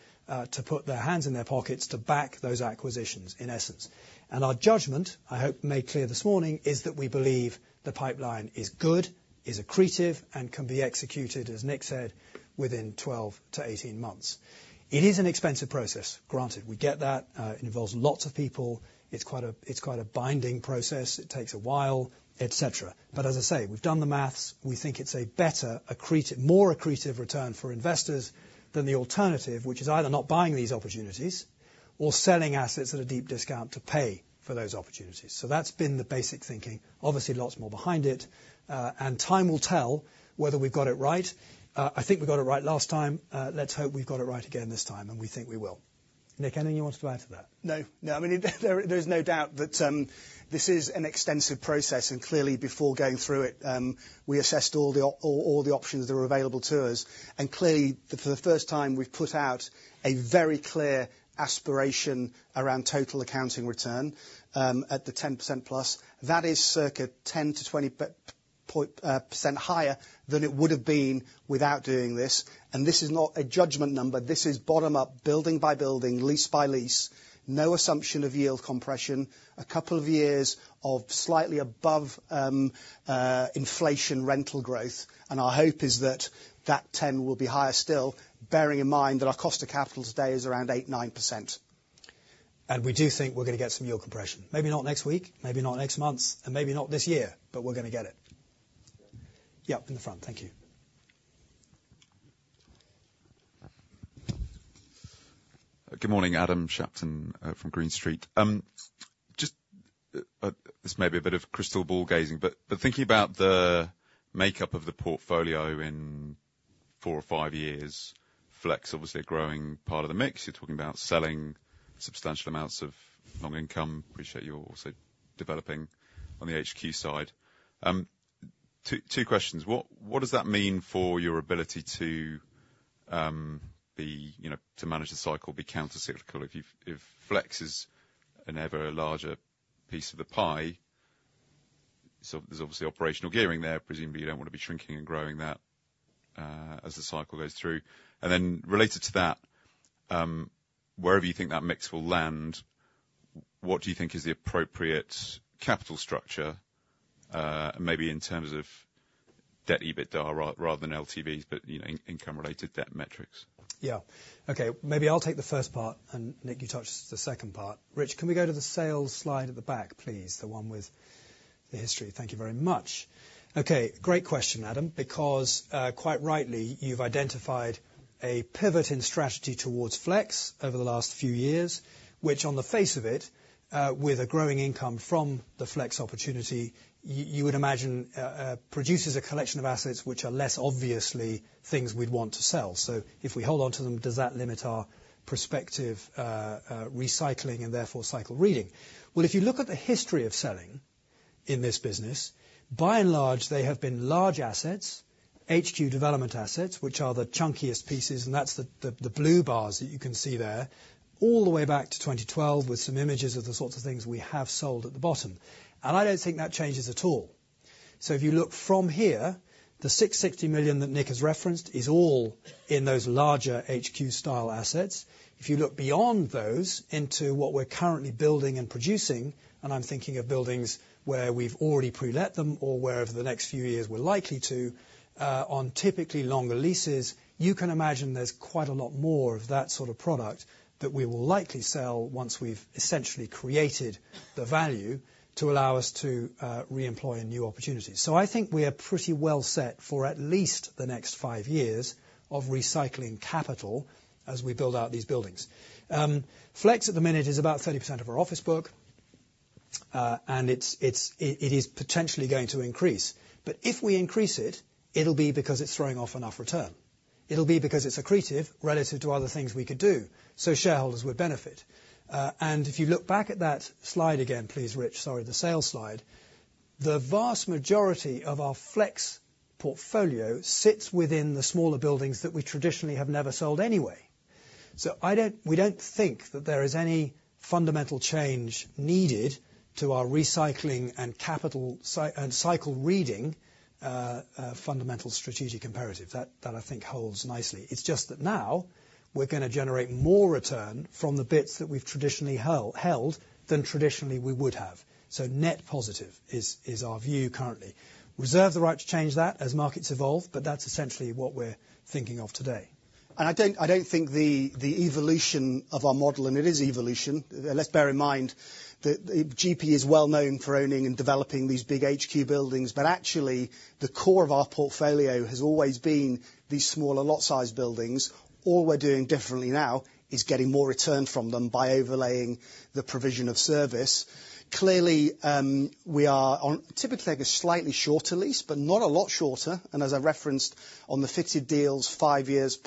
put their hands in their pockets to back those acquisitions, in essence. And our judgment, I hope made clear this morning, is that we believe the pipeline is good, is accretive, and can be executed, as Nick said, within 12-18 months. It is an expensive process, granted. We get that. It involves lots of people. It's quite a binding process. It takes a while, et cetera. But as I say, we've done the math. We think it's a better accretive, more accretive return for investors than the alternative, which is either not buying these opportunities or selling assets at a deep discount to pay for those opportunities. That's been the basic thinking. Obviously, lots more behind it, and time will tell whether we've got it right. I think we got it right last time. Let's hope we've got it right again this time, and we think we will. Nick, anything you want to add to that? No, no, I mean, there, there's no doubt that, this is an extensive process, and clearly, before going through it, we assessed all the all the options that were available to us. And clearly, for the first time, we've put out a very clear aspiration around total accounting return, at the 10%+. That is circa 10-20 percentage points higher than it would have been without doing this. And this is not a judgment number. This is bottom up, building by building, lease by lease, no assumption of yield compression, a couple of years of slightly above, inflation rental growth, and our hope is that, that 10 will be higher still, bearing in mind that our cost of capital today is around 8-9%. And we do think we're gonna get some yield compression. Maybe not next week, maybe not next month, and maybe not this year, but we're gonna get it. Yeah, up in the front. Thank you. Good morning. Adam Shapton from Green Street. Just, this may be a bit of crystal ball gazing, but thinking about the makeup of the portfolio in four or five years, Flex, obviously, a growing part of the mix. You're talking about selling substantial amounts of long income. Appreciate you're also developing on the HQ side. Two questions: What does that mean for your ability to, you know, manage the cycle, be countercyclical? If Flex is an ever larger piece of the pie, so there's obviously operational gearing there. Presumably, you don't want to be shrinking and growing that as the cycle goes through. And then related to that, wherever you think that mix will land, what do you think is the appropriate capital structure, maybe in terms of debt EBITDA, rather than LTVs, but, you know, income-related debt metrics? Yeah. Okay, maybe I'll take the first part, and Nick, you touch the second part. Rich, can we go to the sales slide at the back, please? The one with the history. Thank you very much. Okay, great question, Adam, because quite rightly, you've identified a pivot in strategy towards Flex over the last few years, which, on the face of it, with a growing income from the Flex opportunity, you would imagine, produces a collection of assets which are less obviously things we'd want to sell. So if we hold on to them, does that limit our prospective recycling and therefore cycle reading? Well, if you look at the history of selling in this business, by and large, they have been large assets, HQ development assets, which are the chunkiest pieces, and that's the blue bars that you can see there, all the way back to 2012, with some images of the sorts of things we have sold at the bottom. And I don't think that changes at all. So if you look from here, the 660 million that Nick has referenced is all in those larger HQ-style assets. If you look beyond those into what we're currently building and producing, and I'm thinking of buildings where we've already pre-let them or where over the next few years we're likely to, on typically longer leases, you can imagine there's quite a lot more of that sort of product that we will likely sell once we've essentially created the value to allow us to, reemploy in new opportunities. So I think we are pretty well set for at least the next five years of recycling capital as we build out these buildings. Flex, at the minute, is about 30% of our office book, and it's, it's, it is potentially going to increase. But if we increase it, it'll be because it's throwing off enough return. It'll be because it's accretive relative to other things we could do, so shareholders would benefit. And if you look back at that slide again, please, Rich, sorry, the sales slide, the vast majority of our Flex portfolio sits within the smaller buildings that we traditionally have never sold anyway. So we don't think that there is any fundamental change needed to our recycling and capital cycle reading, fundamental strategic imperative. That I think holds nicely. It's just that now, we're gonna generate more return from the bits that we've traditionally held than traditionally we would have. So net positive is our view currently. Reserve the right to change that as markets evolve, but that's essentially what we're thinking of today.... I don't, I don't think the, the evolution of our model, and it is evolution. Let's bear in mind that GPE is well known for owning and developing these big HQ buildings, but actually, the core of our portfolio has always been these smaller lot size buildings. All we're doing differently now is getting more return from them by overlaying the provision of service. Clearly, we are on typically, like a slightly shorter lease, but not a lot shorter, and as I referenced on the Flex deals, 5 years+,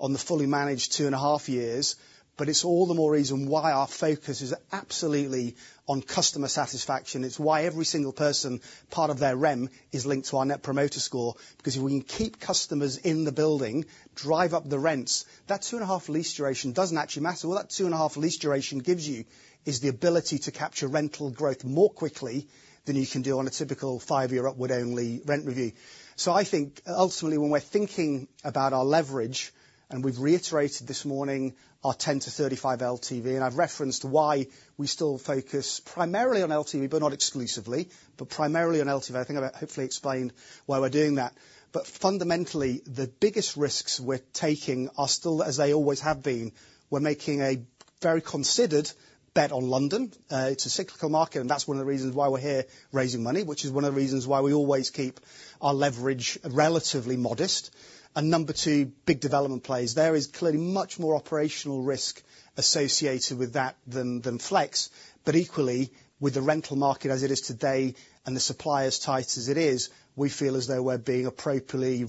on the Fully Managed, 2.5 years. But it's all the more reason why our focus is absolutely on customer satisfaction. It's why every single person, part of their rem, is linked to our Net Promoter Score. Because when you keep customers in the building, drive up the rents, that 2.5 lease duration doesn't actually matter. What that 2.5 lease duration gives you is the ability to capture rental growth more quickly than you can do on a typical 5-year upward-only rent review. So I think, ultimately, when we're thinking about our leverage, and we've reiterated this morning our 10-35 LTV, and I've referenced why we still focus primarily on LTV, but not exclusively, but primarily on LTV. I think I've hopefully explained why we're doing that. But fundamentally, the biggest risks we're taking are still as they always have been. We're making a very considered bet on London. It's a cyclical market, and that's one of the reasons why we're here raising money, which is one of the reasons why we always keep our leverage relatively modest. And number two, big development plays. There is clearly much more operational risk associated with that than Flex, but equally, with the rental market as it is today, and the supply as tight as it is, we feel as though we're being appropriately,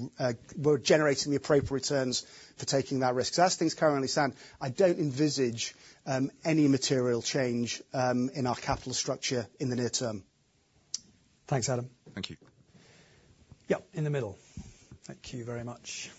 we're generating the appropriate returns for taking that risk. So as things currently stand, I don't envisage any material change in our capital structure in the near term. Thanks, Adam. Thank you. Yep, in the middle. Thank you very much.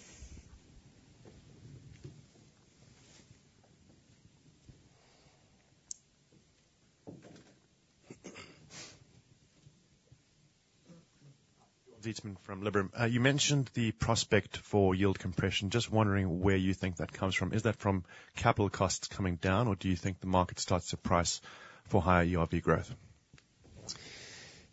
Zietsman from Liberum. You mentioned the prospect for yield compression. Just wondering where you think that comes from. Is that from capital costs coming down, or do you think the market starts to price for higher ERV growth?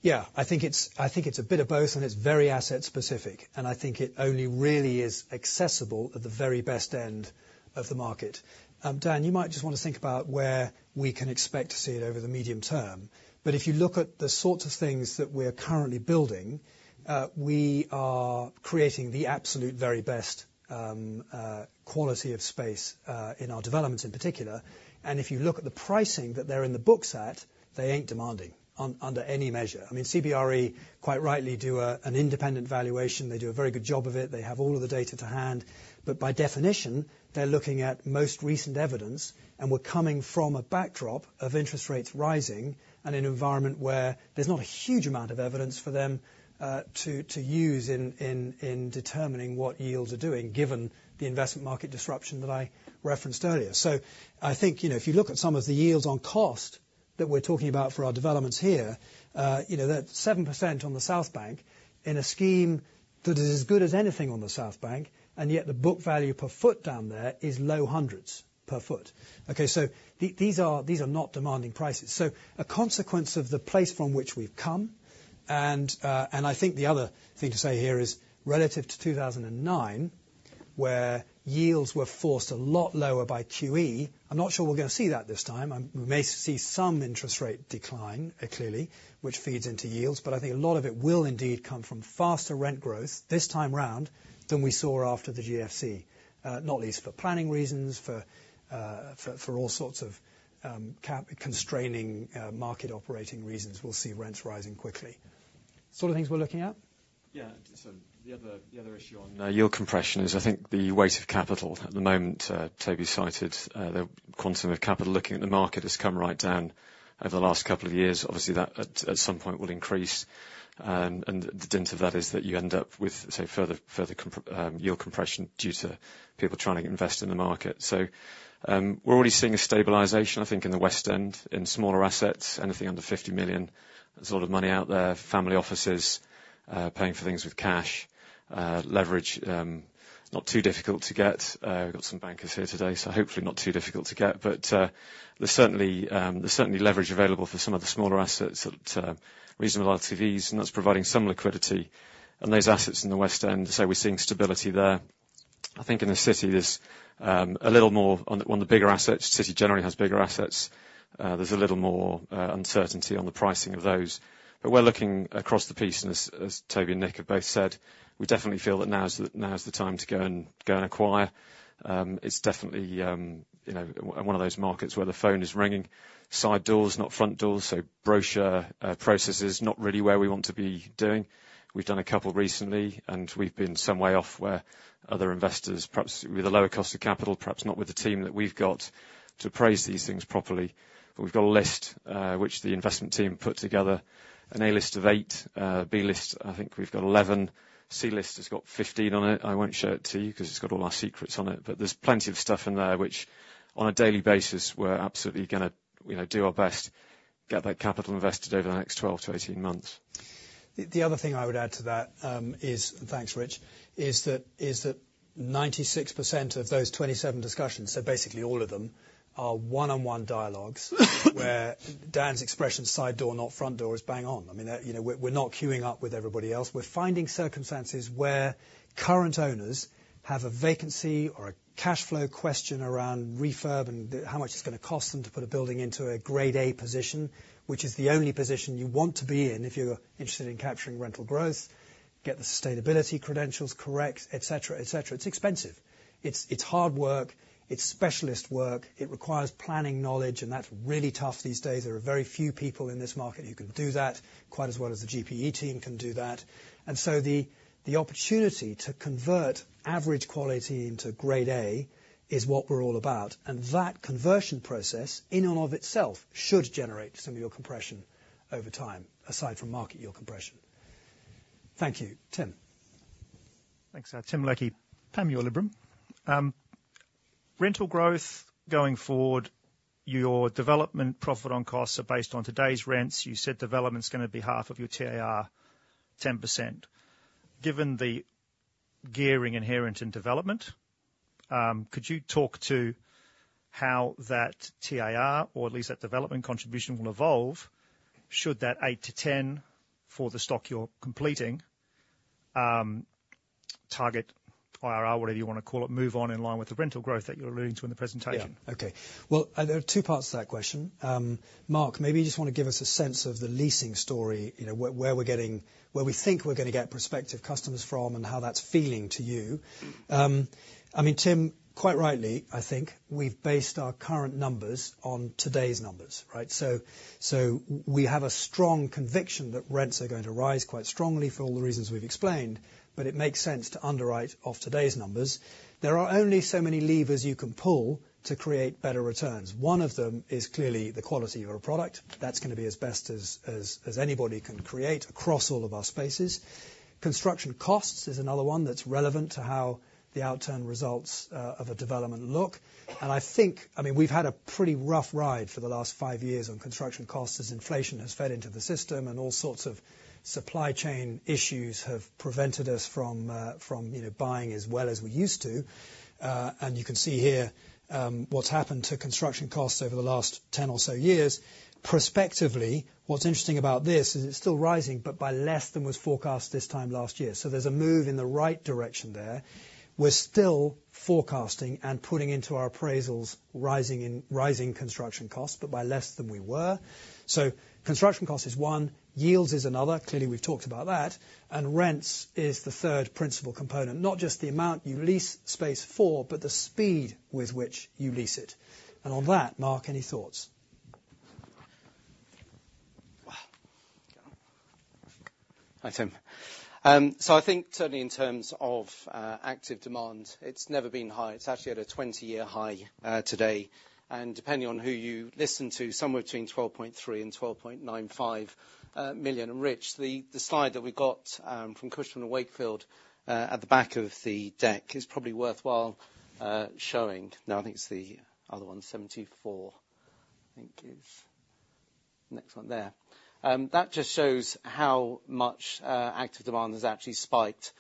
Yeah, I think it's, I think it's a bit of both, and it's very asset specific, and I think it only really is accessible at the very best end of the market. Dan, you might just want to think about where we can expect to see it over the medium term. But if you look at the sorts of things that we're currently building, we are creating the absolute very best quality of space in our developments in particular. And if you look at the pricing that they're in the books at, they ain't demanding under any measure. I mean, CBRE, quite rightly, do an independent valuation. They do a very good job of it. They have all of the data to hand. But by definition, they're looking at most recent evidence, and we're coming from a backdrop of interest rates rising and an environment where there's not a huge amount of evidence for them to use in determining what yields are doing, given the investment market disruption that I referenced earlier. So I think, you know, if you look at some of the yields on cost that we're talking about for our developments here, you know, that 7% on the South Bank in a scheme that is as good as anything on the South Bank, and yet the book value per foot down there is low hundreds per foot. Okay, so these are not demanding prices. So a consequence of the place from which we've come, and, and I think the other thing to say here is, relative to 2009, where yields were forced a lot lower by QE, I'm not sure we're going to see that this time. We may see some interest rate decline, clearly, which feeds into yields, but I think a lot of it will indeed come from faster rent growth this time round than we saw after the GFC. Not least for planning reasons, for, for all sorts of, constraining, market operating reasons, we'll see rents rising quickly. Sort of things we're looking at? Yeah, so the other issue on yield compression is, I think, the weight of capital. At the moment, Toby cited the quantum of capital looking at the market has come right down over the last couple of years. Obviously, that at some point will increase. And the dent of that is that you end up with, say, further yield compression due to people trying to invest in the market. So, we're already seeing a stabilization, I think, in the West End, in smaller assets, anything under 50 million. There's a lot of money out there, family offices, paying for things with cash. Leverage not too difficult to get. We've got some bankers here today, so hopefully not too difficult to get. But, there's certainly leverage available for some of the smaller assets at reasonable LTVs, and that's providing some liquidity. And those assets in the West End, so we're seeing stability there. I think in the City, there's a little more on the bigger assets. City generally has bigger assets. There's a little more uncertainty on the pricing of those. But we're looking across the piece, and as Toby and Nick have both said, we definitely feel that now is the time to go and acquire. It's definitely, you know, one of those markets where the phone is ringing. Side doors, not front doors, so brochure processes, not really where we want to be doing. We've done a couple recently, and we've been some way off where other investors, perhaps with a lower cost of capital, perhaps not with the team that we've got to appraise these things properly. But we've got a list, which the investment team put together, an A list of 8, B list, I think we've got 11, C list has got 15 on it. I won't show it to you 'cause it's got all our secrets on it, but there's plenty of stuff in there which, on a daily basis, we're absolutely gonna, you know, do our best, get that capital invested over the next 12-18 months. The other thing I would add to that is, thanks, Rich, is that 96% of those 27 discussions, so basically all of them, are one-on-one dialogues. Where Dan's expression, side door, not front door, is bang on. I mean, you know, we're not queuing up with everybody else. We're finding circumstances where current owners have a vacancy or a cash flow question around refurb and how much it's gonna cost them to put a building into a Grade A position, which is the only position you want to be in if you're interested in capturing rental growth, get the sustainability credentials correct, et cetera, et cetera. It's expensive. It's hard work, it's specialist work. It requires planning knowledge, and that's really tough these days. There are very few people in this market who can do that quite as well as the GPE team can do that. And so the opportunity to convert average quality into Grade A is what we're all about, and that conversion process, in and of itself, should generate some yield compression over time, aside from market yield compression. Thank you. Tim? Thanks. Tim Leckie, Panmure Liberum. Rental growth going forward, your development profit on costs are based on today's rents. You said development's gonna be half of your IRR, 10%. Given the gearing inherent in development, could you talk to how that IRR, or at least that development contribution, will evolve? Should that 8-10 for the stock you're completing, target IRR, whatever you wanna call it, move on in line with the rental growth that you're alluding to in the presentation? Yeah. Okay. Well, there are two parts to that question. Marc, maybe you just wanna give us a sense of the leasing story, you know, where we think we're gonna get prospective customers from and how that's feeling to you. I mean, Tim, quite rightly, I think, we've based our current numbers on today's numbers, right? So, so we have a strong conviction that rents are going to rise quite strongly for all the reasons we've explained, but it makes sense to underwrite off today's numbers. There are only so many levers you can pull to create better returns. One of them is clearly the quality of our product. That's gonna be as best as anybody can create across all of our spaces. Construction costs is another one that's relevant to how the outturn results of a development look. And I think, I mean, we've had a pretty rough ride for the last five years on construction costs, as inflation has fed into the system, and all sorts of supply chain issues have prevented us from, from you know, buying as well as we used to. And you can see here, what's happened to construction costs over the last 10 or so years. Prospectively, what's interesting about this is it's still rising, but by less than was forecast this time last year. So there's a move in the right direction there. We're still forecasting and putting into our appraisals, rising rising construction costs, but by less than we were. So construction cost is one, yields is another. Clearly, we've talked about that, and rents is the third principal component, not just the amount you lease space for, but the speed with which you lease it. On that, Marc, any thoughts? Hi, Tim. So I think certainly in terms of active demand, it's never been high. It's actually at a 20-year high today, and depending on who you listen to, somewhere between 12.3-12.95 million. And Rich, the slide that we got from Cushman & Wakefield at the back of the deck is probably worthwhile showing. Now, I think it's the other one, 74, I think is next one there. That just shows how much active demand has actually spiked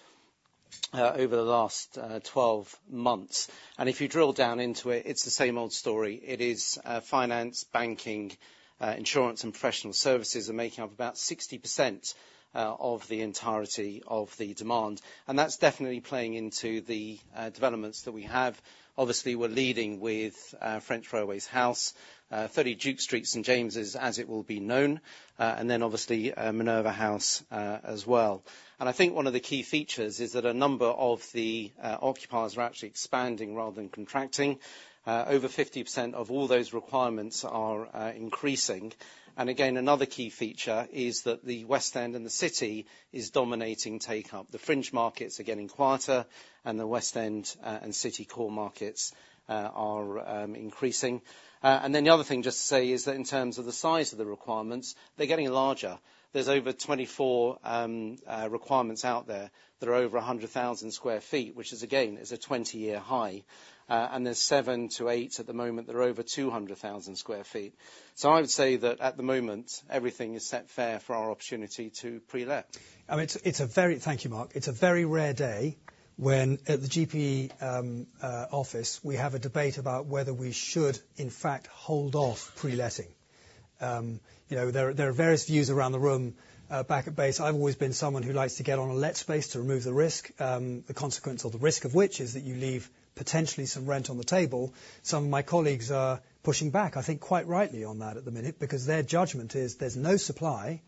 over the last 12 months. And if you drill down into it, it's the same old story. It is finance, banking, insurance, and professional services are making up about 60% of the entirety of the demand, and that's definitely playing into the developments that we have. Obviously, we're leading with French Railways House, 30 Duke Street, St James's, as it will be known, and then obviously Minerva House, as well. I think one of the key features is that a number of the occupiers are actually expanding rather than contracting. Over 50% of all those requirements are increasing. Again, another key feature is that the West End and the City is dominating take-up. The fringe markets are getting quieter, and the West End and City core markets are increasing. Then the other thing just to say is that in terms of the size of the requirements, they're getting larger. There's over 24 requirements out there that are over 100,000 sq ft, which is, again, a 20-year high. There's 7-8 at the moment that are over 200,000 sq ft. So I would say that at the moment, everything is set fair for our opportunity to pre-let. I mean, it's a very rare day when, at the GPE office, we have a debate about whether we should, in fact, hold off pre-letting. Thank you, Mark. You know, there are various views around the room back at base. I've always been someone who likes to get on a let space to remove the risk, the consequence or the risk of which is that you leave potentially some rent on the table. Some of my colleagues are pushing back, I think, quite rightly on that at the minute, because their judgment is there's no supply,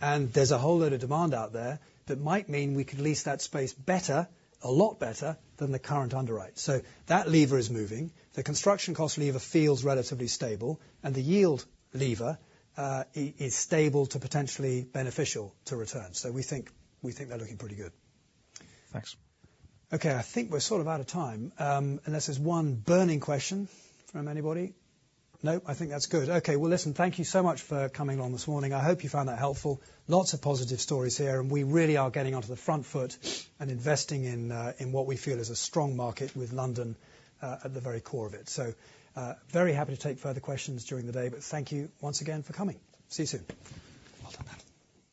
and there's a whole load of demand out there that might mean we could lease that space better, a lot better, than the current underwrite. So that lever is moving. The construction cost lever feels relatively stable, and the yield lever is stable to potentially beneficial to return. So we think, we think they're looking pretty good. Thanks. Okay, I think we're sort of out of time, unless there's one burning question from anybody. No? I think that's good. Okay. Well, listen, thank you so much for coming on this morning. I hope you found that helpful. Lots of positive stories here, and we really are getting onto the front foot and investing in in what we feel is a strong market with London at the very core of it. So, very happy to take further questions during the day, but thank you once again for coming. See you soon. Well done, Mark.